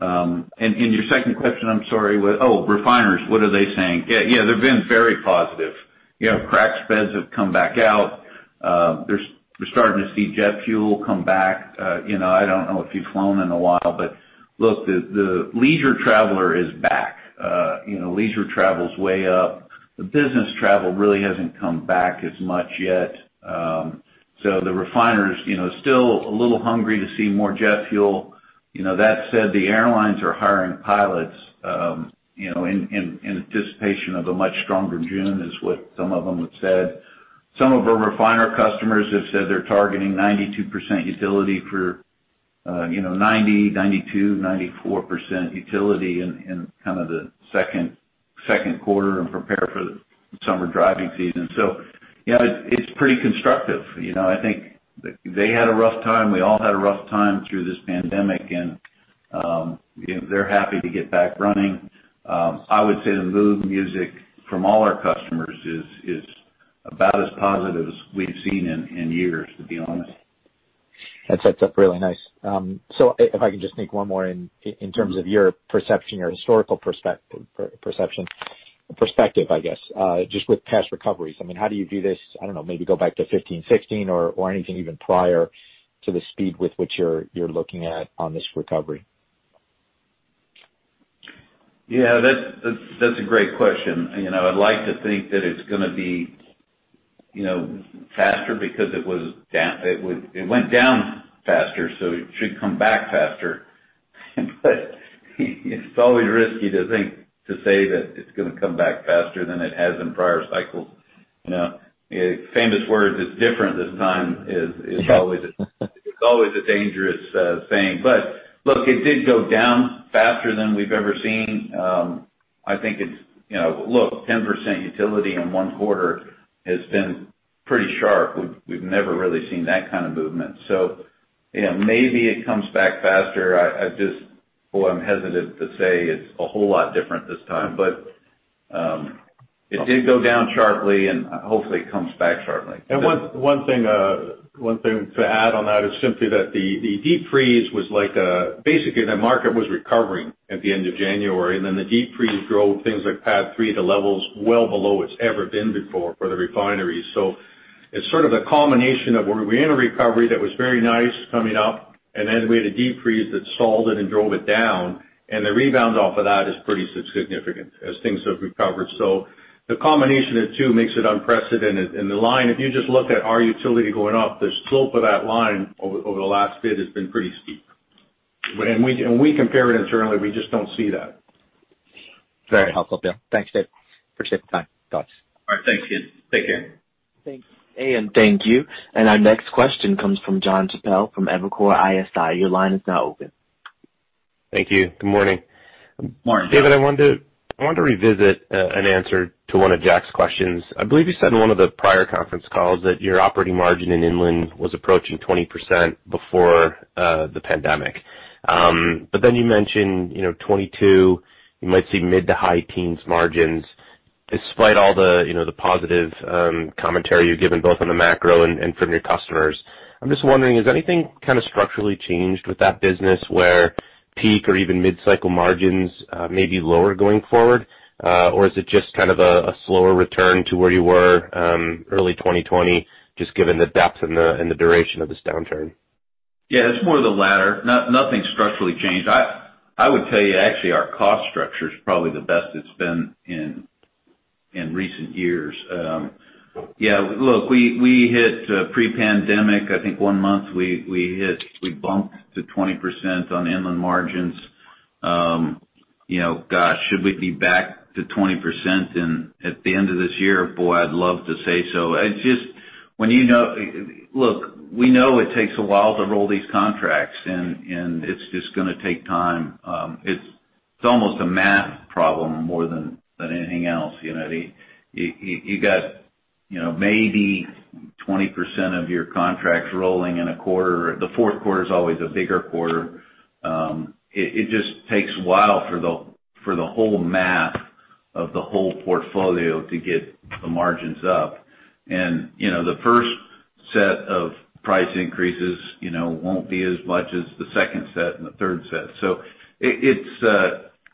Your second question, I'm sorry, was, oh, refiners. What are they saying? Yeah, they've been very positive. Crack spreads have come back out. We're starting to see jet fuel come back. I don't know if you've flown in a while, but look, the leisure traveler is back. Leisure travel is way up. The business travel really hasn't come back as much yet. The refiners, still a little hungry to see more jet fuel. That said, the airlines are hiring pilots, in anticipation of a much stronger June, is what some of them have said. Some of our refiner customers have said they're targeting 92% utility for 90%, 92%, 94% utility in kind of the second quarter and prepare for the summer driving season. Yeah, it's pretty constructive. I think they had a rough time. We all had a rough time through this pandemic, and they're happy to get back running. I would say the mood music from all our customers is about as positive as we've seen in years, to be honest. That's actually really nice. If I can just sneak one more in terms of your perception, your historical perspective, I guess, just with past recoveries. How do you view this? I don't know, maybe go back to 2015, 2016, or anything even prior to the speed with which you're looking at on this recovery. Yeah. That's a great question. I'd like to think that it's going to be faster because it went down faster, so it should come back faster. It's always risky to say that it's going to come back faster than it has in prior cycles. Famous words, it's different this time. Yeah. It's always a dangerous saying. Look, it did go down faster than we've ever seen. Look, 10% utility in one quarter has been pretty sharp. We've never really seen that kind of movement. Maybe it comes back faster. Boy, I'm hesitant to say it's a whole lot different this time. It did go down sharply, and hopefully it comes back sharply. One thing to add on that is simply that the deep freeze, the market was recovering at the end of January, then the deep freeze drove things like PADD 3 to levels well below it's ever been before for the refineries. It's sort of the combination of where we were in a recovery that was very nice coming up, then we had a deep freeze that stalled it and drove it down, the rebounds off of that is pretty significant as things have recovered. The combination of the two makes it unprecedented. The line, if you just look at our utility going up, the slope of that line over the last bit has been pretty steep. When we compare it internally, we just don't see that. Very helpful, Bill. Thanks, Dave. Appreciate the time, thoughts. All right. Thanks, Ken. Take care. Thank you. Our next question comes from Jon Chappell from Evercore ISI. Thank you. Good morning. Morning, Jon. David, I wanted to revisit an answer to one of Jack's questions. I believe you said in one of the prior conference calls that your operating margin in inland was approaching 20% before the pandemic. You mentioned 2022, you might see mid to high teens margins. Despite all the positive commentary you've given both on the macro and from your customers, I'm just wondering, has anything kind of structurally changed with that business where peak or even mid-cycle margins may be lower going forward? Is it just kind of a slower return to where you were early 2020, just given the depth and the duration of this downturn? Yeah, it's more the latter. Nothing structurally changed. I would tell you, actually, our cost structure is probably the best it's been in recent years. Yeah, look, we hit pre-pandemic, I think one month, we bumped to 20% on inland margins. Gosh, should we be back to 20% at the end of this year? Boy, I'd love to say so. Look, we know it takes a while to roll these contracts, and it's just going to take time. It's almost a math problem more than anything else. You got maybe 20% of your contracts rolling in a quarter. The fourth quarter is always a bigger quarter. It just takes a while for the whole math of the whole portfolio to get the margins up. The first set of price increases won't be as much as the second set and the third set.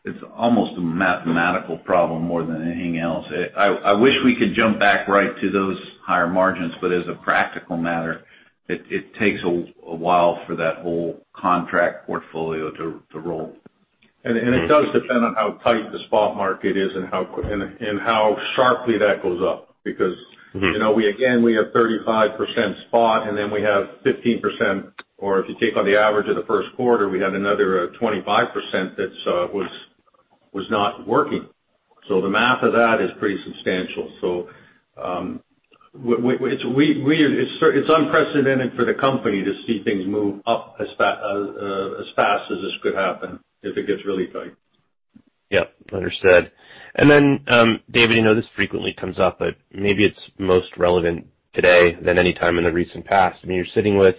It's almost a mathematical problem more than anything else. I wish we could jump back right to those higher margins, but as a practical matter, it takes a while for that whole contract portfolio to roll. It does depend on how tight the spot market is and how sharply that goes up. We have 35% spot, then we have 15%, or if you take on the average of the first quarter, we had another 25% that was not working. The math of that is pretty substantial. It's unprecedented for the company to see things move up as fast as this could happen, if it gets really tight. Yep, understood. David, this frequently comes up, but maybe it's most relevant today than any time in the recent past. You're sitting with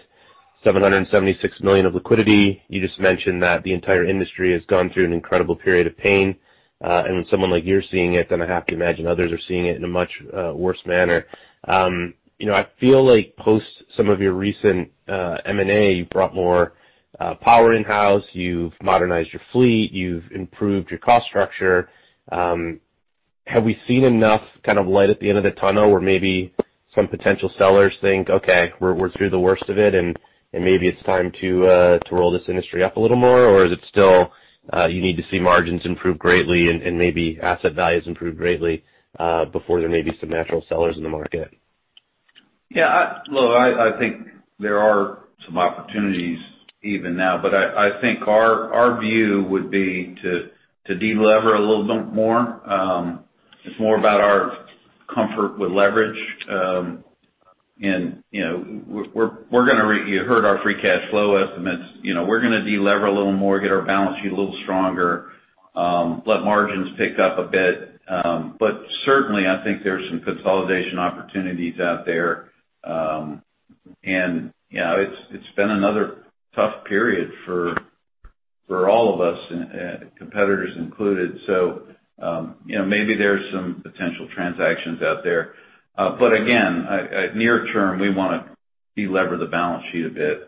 $776 million of liquidity. You just mentioned that the entire industry has gone through an incredible period of pain. When someone like you is seeing it, then I have to imagine others are seeing it in a much worse manner. I feel like post some of your recent M&A, you brought more power in-house, you've modernized your fleet, you've improved your cost structure. Have we seen enough light at the end of the tunnel where maybe some potential sellers think, "Okay, we're through the worst of it, and maybe it's time to roll this industry up a little more?" Is it still, you need to see margins improve greatly and maybe asset values improve greatly before there may be some natural sellers in the market? Yeah. Look, I think there are some opportunities even now. I think our view would be to de-lever a little bit more. It's more about our comfort with leverage. You heard our free cash flow estimates. We're going to de-lever a little more, get our balance sheet a little stronger, let margins pick up a bit. Certainly, I think there's some consolidation opportunities out there. It's been another tough period for all of us, competitors included. Maybe there's some potential transactions out there. Again, near term, we want to de-lever the balance sheet a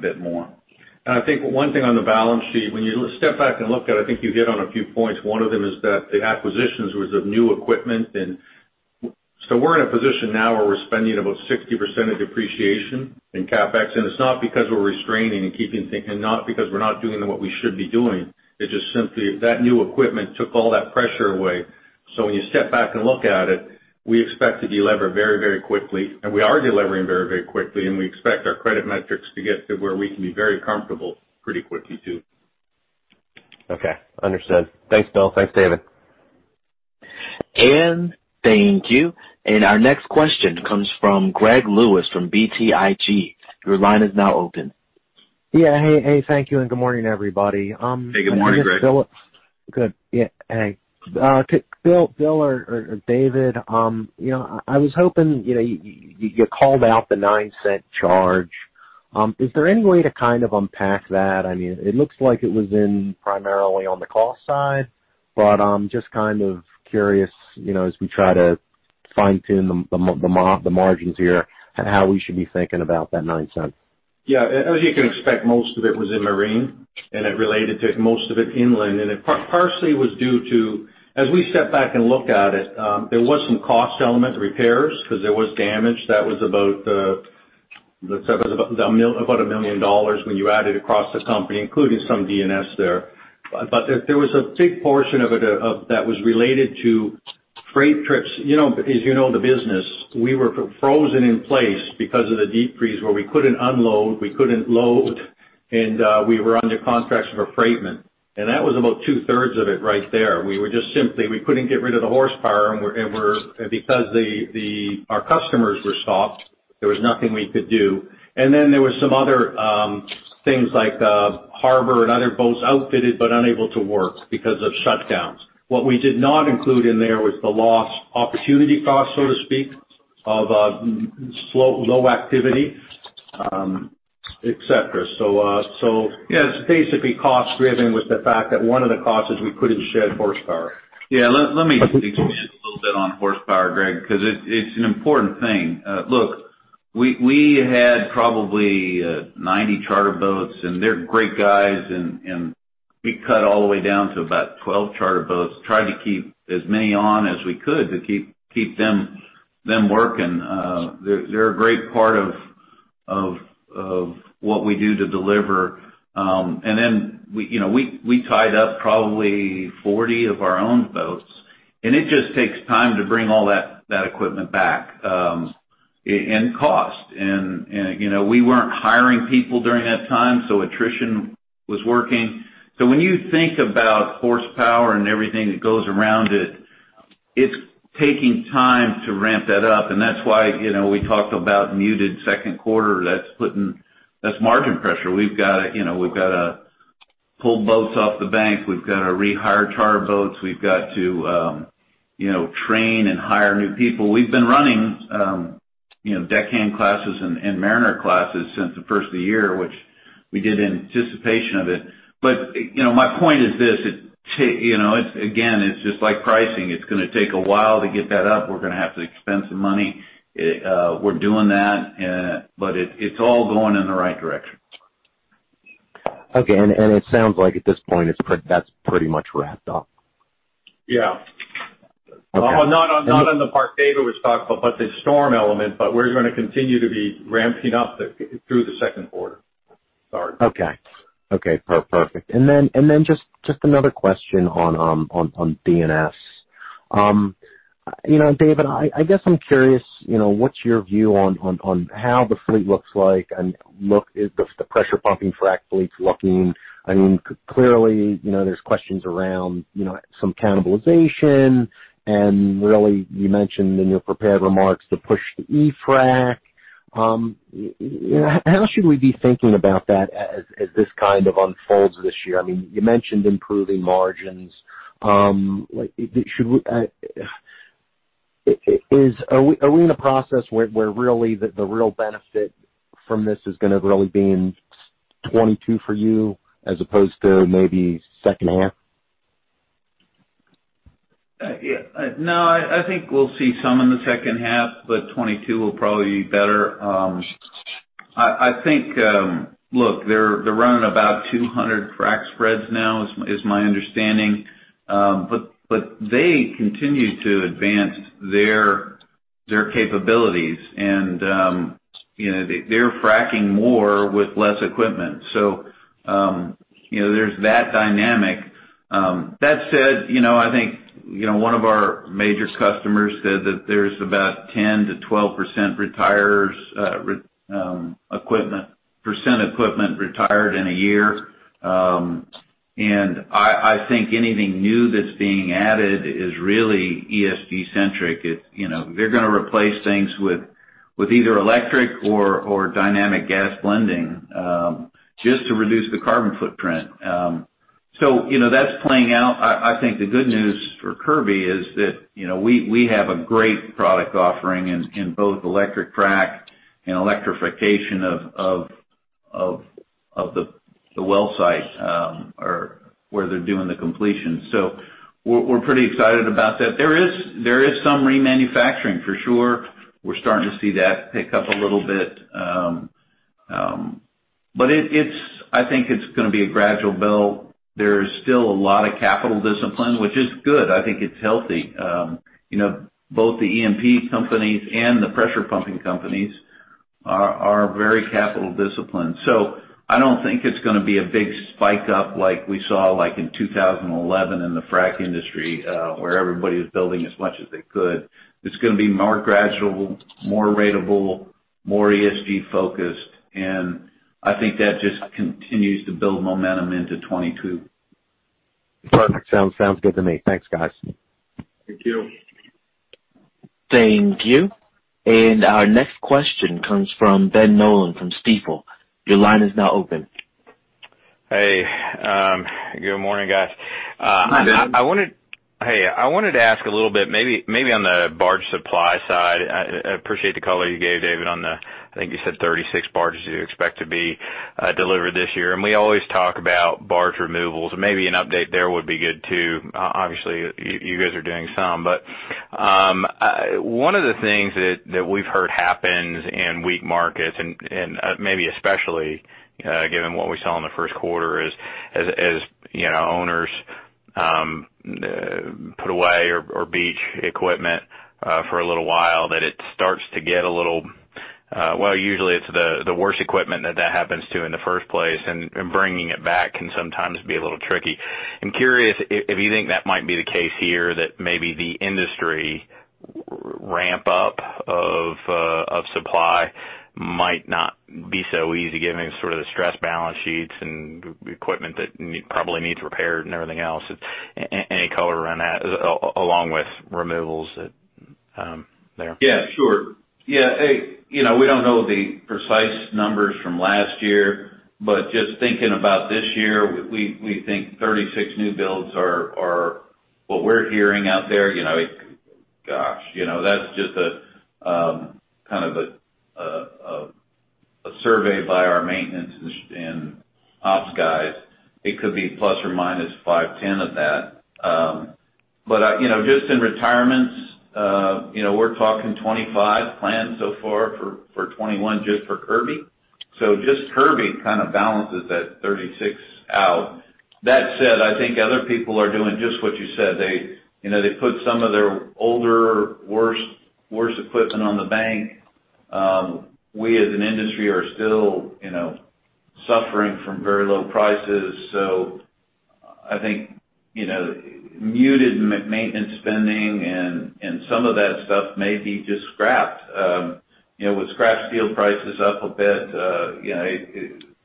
bit more. I think one thing on the balance sheet, when you step back and look at it, I think you hit on a few points. One of them is that the acquisitions was of new equipment. We're in a position now where we're spending about 60% of depreciation in CapEx, and it's not because we're restraining and keeping, and not because we're not doing what we should be doing. It's just simply that new equipment took all that pressure away. When you step back and look at it, we expect to de-lever very quickly, and we are de-levering very quickly, and we expect our credit metrics to get to where we can be very comfortable pretty quickly, too. Okay. Understood. Thanks, Bill. Thanks, David. And thank you. Our next question comes from Greg Lewis from BTIG. Your line is now open. Yeah. Hey. Thank you and good morning, everybody. Hey, good morning, Greg. Good. Yeah. Hey. To Bill or David, I was hoping, you called out the $0.09 charge. Is there any way to kind of unpack that? It looks like it was in primarily on the cost side, but I'm just kind of curious, as we try to fine tune the margins here and how we should be thinking about that $0.09. Yeah. As you can expect, most of it was in marine, it related to most of it inland. It partially was due to, as we step back and look at it, there was some cost element repairs because there was damage that was about $1 million when you add it across the company, including some D&S there. There was a big portion of it that was related to freight trips. As you know the business, we were frozen in place because of the deep freeze where we couldn't unload, we couldn't load, and we were under contracts of affreightment. That was about 2/3 of it right there. We were just simply, we couldn't get rid of the horsepower, and because our customers were stopped, there was nothing we could do. There were some other things like harbor and other boats outfitted but unable to work because of shutdowns. What we did not include in there was the lost opportunity cost, so to speak, of low activity et cetera. Yeah, it's basically cost driven with the fact that one of the costs is we couldn't shed horsepower. Yeah, let me expand a little bit on horsepower, Greg, because it's an important thing. Look, we had probably 90 charter boats, and they're great guys, and we cut all the way down to about 12 charter boats. Tried to keep as many on as we could to keep them working. They're a great part of what we do to deliver. Then, we tied up probably 40 of our own boats, and it just takes time to bring all that equipment back, and cost. We weren't hiring people during that time, so attrition was working. When you think about horsepower and everything that goes around it's taking time to ramp that up. That's why we talked about muted second quarter. That's margin pressure. We've got to pull boats off the bank. We've got to rehire charter boats. We've got to train and hire new people. We've been running deckhand classes and mariner classes since the first of the year, which we did in anticipation of it. My point is this, again, it's just like pricing. It's going to take a while to get that up. We're going to have to expend some money. We're doing that, but it's all going in the right direction. Okay. It sounds like at this point, that's pretty much wrapped up. Yeah. Well, not on the part David was talking about, but the storm element. We're going to continue to be ramping up through the second quarter. Sorry. Okay. Perfect. Just another question on D&S. David, I guess I'm curious, what's your view on how the fleet looks like and the pressure pumping frac fleet's looking? Clearly, there's questions around some cannibalization, and really, you mentioned in your prepared remarks the push to e-frac. How should we be thinking about that as this kind of unfolds this year? You mentioned improving margins. Are we in a process where really the real benefit from this is going to really be in 2022 for you as opposed to maybe second half? I think we'll see some in the second half, but 2022 will probably be better. They're running about 200 frac spreads now, is my understanding. They continue to advance their capabilities, and they're fracking more with less equipment. There's that dynamic. That said, I think one of our major customers said that there's about 10%-12% equipment retired in a year. I think anything new that's being added is really ESG-centric. They're going to replace things with either e-frac or Dynamic Gas Blending, just to reduce the carbon footprint. That's playing out. I think the good news for Kirby is that we have a great product offering in both e-frac and electrification of the well site, or where they're doing the completion. We're pretty excited about that. There is some remanufacturing for sure. We're starting to see that pick up a little bit. I think it's going to be a gradual build. There's still a lot of capital discipline, which is good. I think it's healthy. Both the E&P companies and the pressure pumping companies are very capital disciplined. I don't think it's going to be a big spike up like we saw like in 2011 in the frac industry, where everybody was building as much as they could. It's going to be more gradual, more ratable, more ESG-focused, and I think that just continues to build momentum into 2022. Perfect. Sounds good to me. Thanks, guys. Thank you. Thank you. Our next question comes from Ben Nolan from Stifel. Your line is now open. Hey. Good morning, guys. Hi, Ben. Hey. I wanted to ask a little bit maybe on the barge supply side. I appreciate the color you gave, David, on the, I think you said 36 barges you expect to be delivered this year. We always talk about barge removals. Maybe an update there would be good, too. Obviously, you guys are doing some. One of the things that we've heard happens in weak markets, and maybe especially given what we saw in the first quarter, is as owners put away or beach equipment for a little while, that it starts to get a little. Well, usually it's the worst equipment that happens to in the first place, and bringing it back can sometimes be a little tricky. I'm curious if you think that might be the case here, that maybe the industry ramp-up of supply might not be so easy given sort of the stressed balance sheets and equipment that probably needs repair and everything else. Any color around that, along with removals there? Sure. We don't know the precise numbers from last year, just thinking about this year, we think 36 new builds are what we're hearing out there. Gosh, that's just a survey by our maintenance and ops guys. It could be plus or minus five, 10 of that. Just in retirements, we're talking 25 planned so far for 2021, just for Kirby. Just Kirby kind of balances that 36 out. That said, I think other people are doing just what you said. They put some of their older, worse equipment on the bank. We, as an industry, are still suffering from very low prices. I think muted maintenance spending and some of that stuff may be just scrapped. With scrap steel prices up a bit,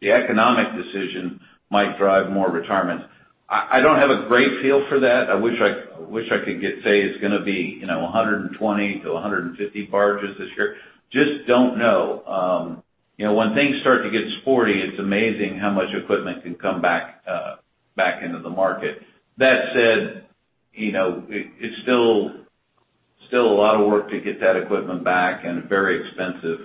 the economic decision might drive more retirements. I don't have a great feel for that. I wish I could say it's going to be 120-150 barges this year. Just don't know. When things start to get sporty, it's amazing how much equipment can come back into the market. That said, it's still a lot of work to get that equipment back and very expensive,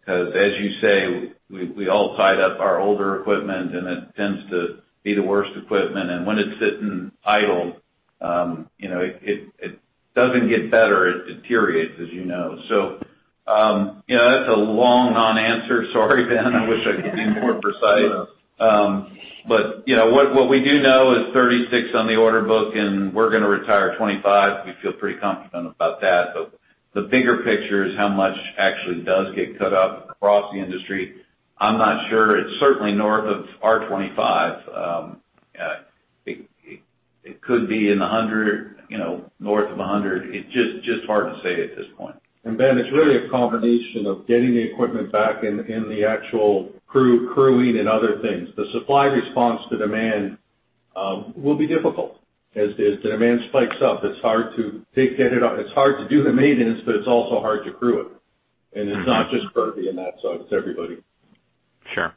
because as you say, we all tied up our older equipment, and it tends to be the worst equipment. When it's sitting idle, it doesn't get better. It deteriorates, as you know. That's a long non-answer. Sorry, Ben. I wish I could be more precise. What we do know is 36 on the order book, and we're going to retire 25. We feel pretty confident about that. The bigger picture is how much actually does get cut up across the industry. I'm not sure. It's certainly north of our 25. It could be north of 100. It's just hard to say at this point. Ben, it's really a combination of getting the equipment back and the actual crew crewing and other things. The supply response to demand will be difficult. As the demand spikes up, it's hard to do the maintenance, but it's also hard to crew it. It's not just Kirby in that side, it's everybody. Sure.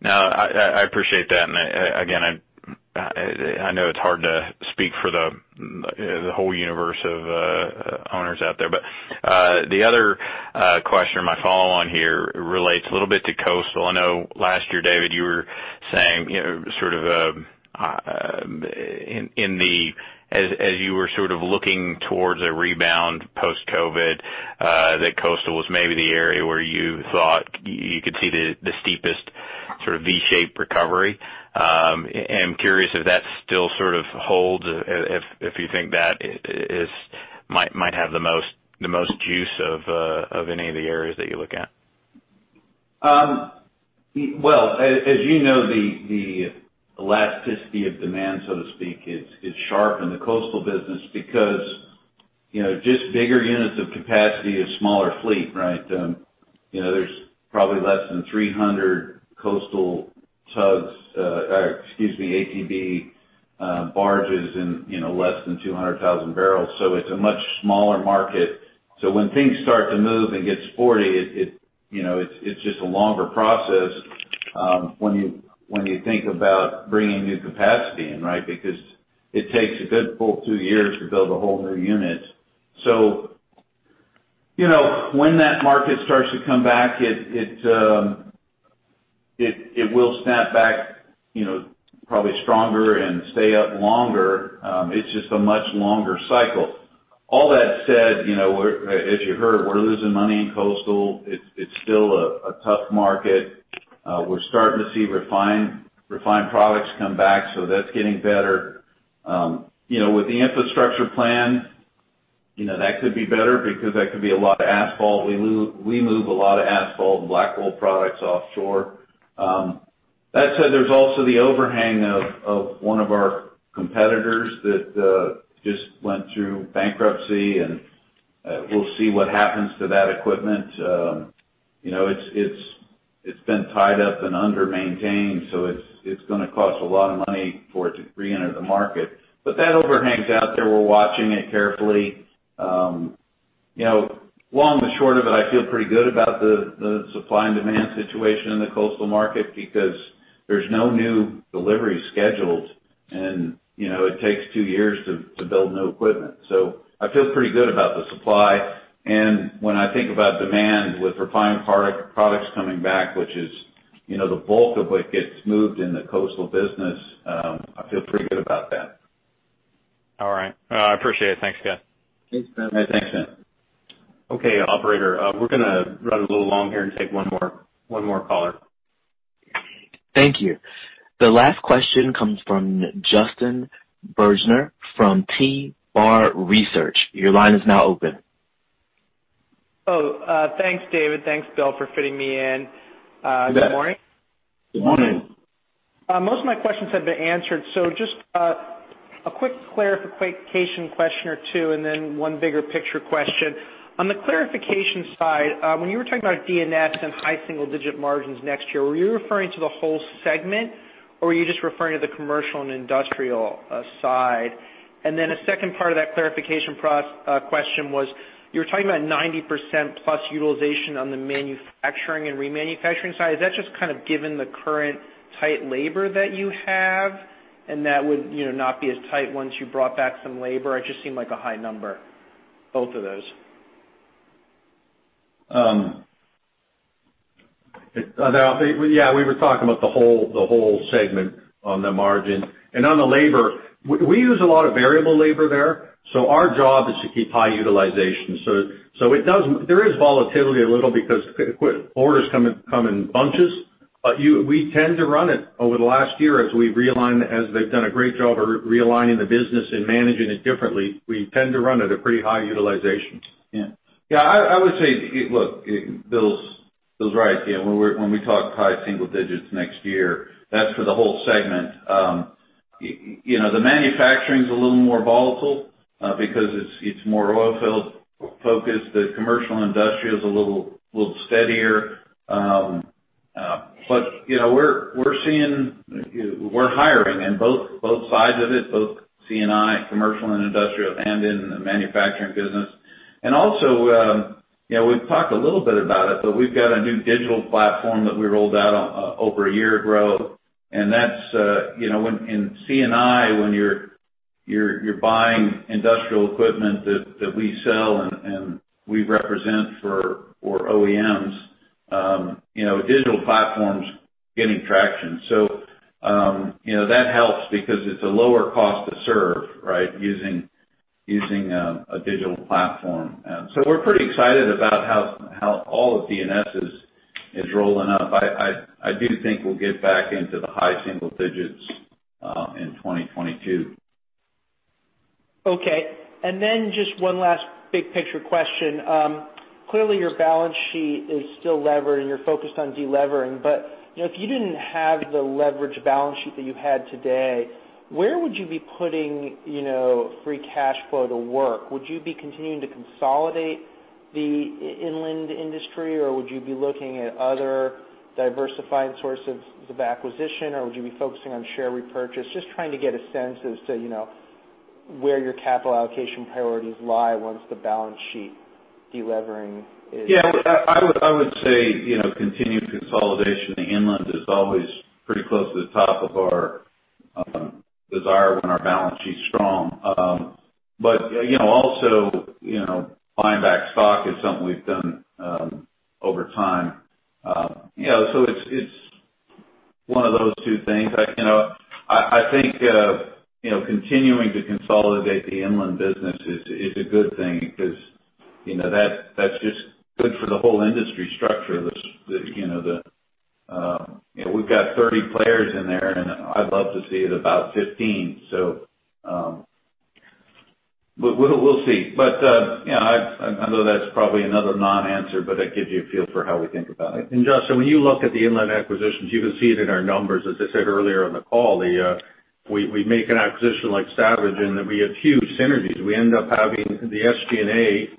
No, I appreciate that. Again, I know it's hard to speak for the whole universe of owners out there. The other question, my follow-on here relates a little bit to coastal. I know last year, David, you were saying as you were sort of looking towards a rebound post-COVID, that coastal was maybe the area where you thought you could see the steepest sort of V-shaped recovery. I'm curious if that still sort of holds, if you think that might have the most juice of any of the areas that you look at. As you know, the elasticity of demand, so to speak, is sharp in the coastal business because just bigger units of capacity is smaller fleet, right. There's probably less than 300 coastal ATB barges and less than 200,000 bbl. It's a much smaller market. When things start to move and get sporty, it's just a longer process when you think about bringing new capacity in, right. Because it takes a good full two years to build a whole new unit. When that market starts to come back, it will snap back probably stronger and stay up longer. It's just a much longer cycle. All that said, as you heard, we're losing money in coastal. It's still a tough market. We're starting to see refined products come back, so that's getting better. With the infrastructure plan, that could be better because that could be a lot of asphalt. We move a lot of asphalt and black oil products offshore. That said, there's also the overhang of one of our competitors that just went through bankruptcy, and we'll see what happens to that equipment. It's been tied up and under-maintained, so it's going to cost a lot of money for it to reenter the market. That overhang's out there. We're watching it carefully. Long but short of it, I feel pretty good about the supply and demand situation in the coastal market because there's no new delivery schedules, and it takes two years to build new equipment. I feel pretty good about the supply. When I think about demand with refined products coming back, which is the bulk of what gets moved in the coastal business, I feel pretty good about that. All right. I appreciate it. Thanks, guys. Thanks, Ben. Thanks, Ben. Okay, operator. We're going to run a little long here and take one more caller. Thank you. The last question comes from Justin Bergner from [G.Research]. Your line is now open. Oh, thanks, David. Thanks, Bill, for fitting me in. Good morning. Good morning. Good morning. Most of my questions have been answered. Just a quick clarification question or two, and then one bigger picture question. On the clarification side, when you were talking about D&S and high single-digit margins next year, were you referring to the whole segment, or were you just referring to the commercial and industrial side? A second part of that clarification question was, you were talking about 90%+ utilization on the manufacturing and remanufacturing side. Is that just kind of given the current tight labor that you have, and that would not be as tight once you brought back some labor? It just seemed like a high number, both of those. Yeah, we were talking about the whole segment on the margin. On the labor, we use a lot of variable labor there. Our job is to keep high utilization. There is volatility a little because orders come in bunches. We tend to run it over the last year as they've done a great job of realigning the business and managing it differently. We tend to run at a pretty high utilization. Yeah. I would say, look, Bill's right. When we talk high single digits next year, that's for the whole segment. The manufacturing is a little more volatile because it's more oil field-focused. The commercial industrial is a little steadier. We're hiring in both sides of it, both C&I, commercial and industrial, and in the manufacturing business. Also, we've talked a little bit about it, but we've got a new digital platform that we rolled out over a year ago. In C&I, when you're buying industrial equipment that we sell and we represent for OEMs, digital platforms are getting traction. That helps because it's a lower cost to serve, using a digital platform. We're pretty excited about how all of D&S is rolling up. I do think we'll get back into the high single digits in 2022. Okay. Just one last big picture question. Clearly, your balance sheet is still levered, and you're focused on de-levering. If you didn't have the leverage balance sheet that you had today, where would you be putting free cash flow to work? Would you be continuing to consolidate the inland industry, or would you be looking at other diversifying sources of acquisition, or would you be focusing on share repurchase? Just trying to get a sense as to where your capital allocation priorities lie once the balance sheet de-levering is- Yeah. I would say continued consolidation. The inland is always pretty close to the top of our desire when our balance sheet's strong. Also, buying back stock is something we've done over time. It's one of those two things. I think continuing to consolidate the inland business is a good thing because that's just good for the whole industry structure. We've got 30 players in there, and I'd love to see it about 15. We'll see. I know that's probably another non-answer, but that gives you a feel for how we think about it. Justin, when you look at the inland acquisitions, you can see it in our numbers. As I said earlier on the call, we make an acquisition like Savage, we have huge synergies. We end up having the SG&A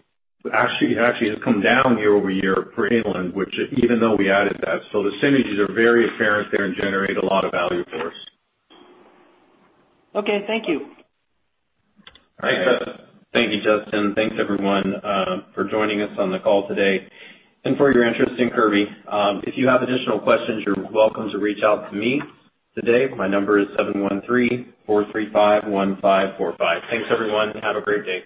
actually has come down year-over-year for inland, even though we added that. The synergies are very apparent there and generate a lot of value for us. Okay. Thank you. All right. Thank you, Justin. Thanks, everyone, for joining us on the call today and for your interest in Kirby. If you have additional questions, you're welcome to reach out to me today. My number is 713-435-1545. Thanks, everyone. Have a great day.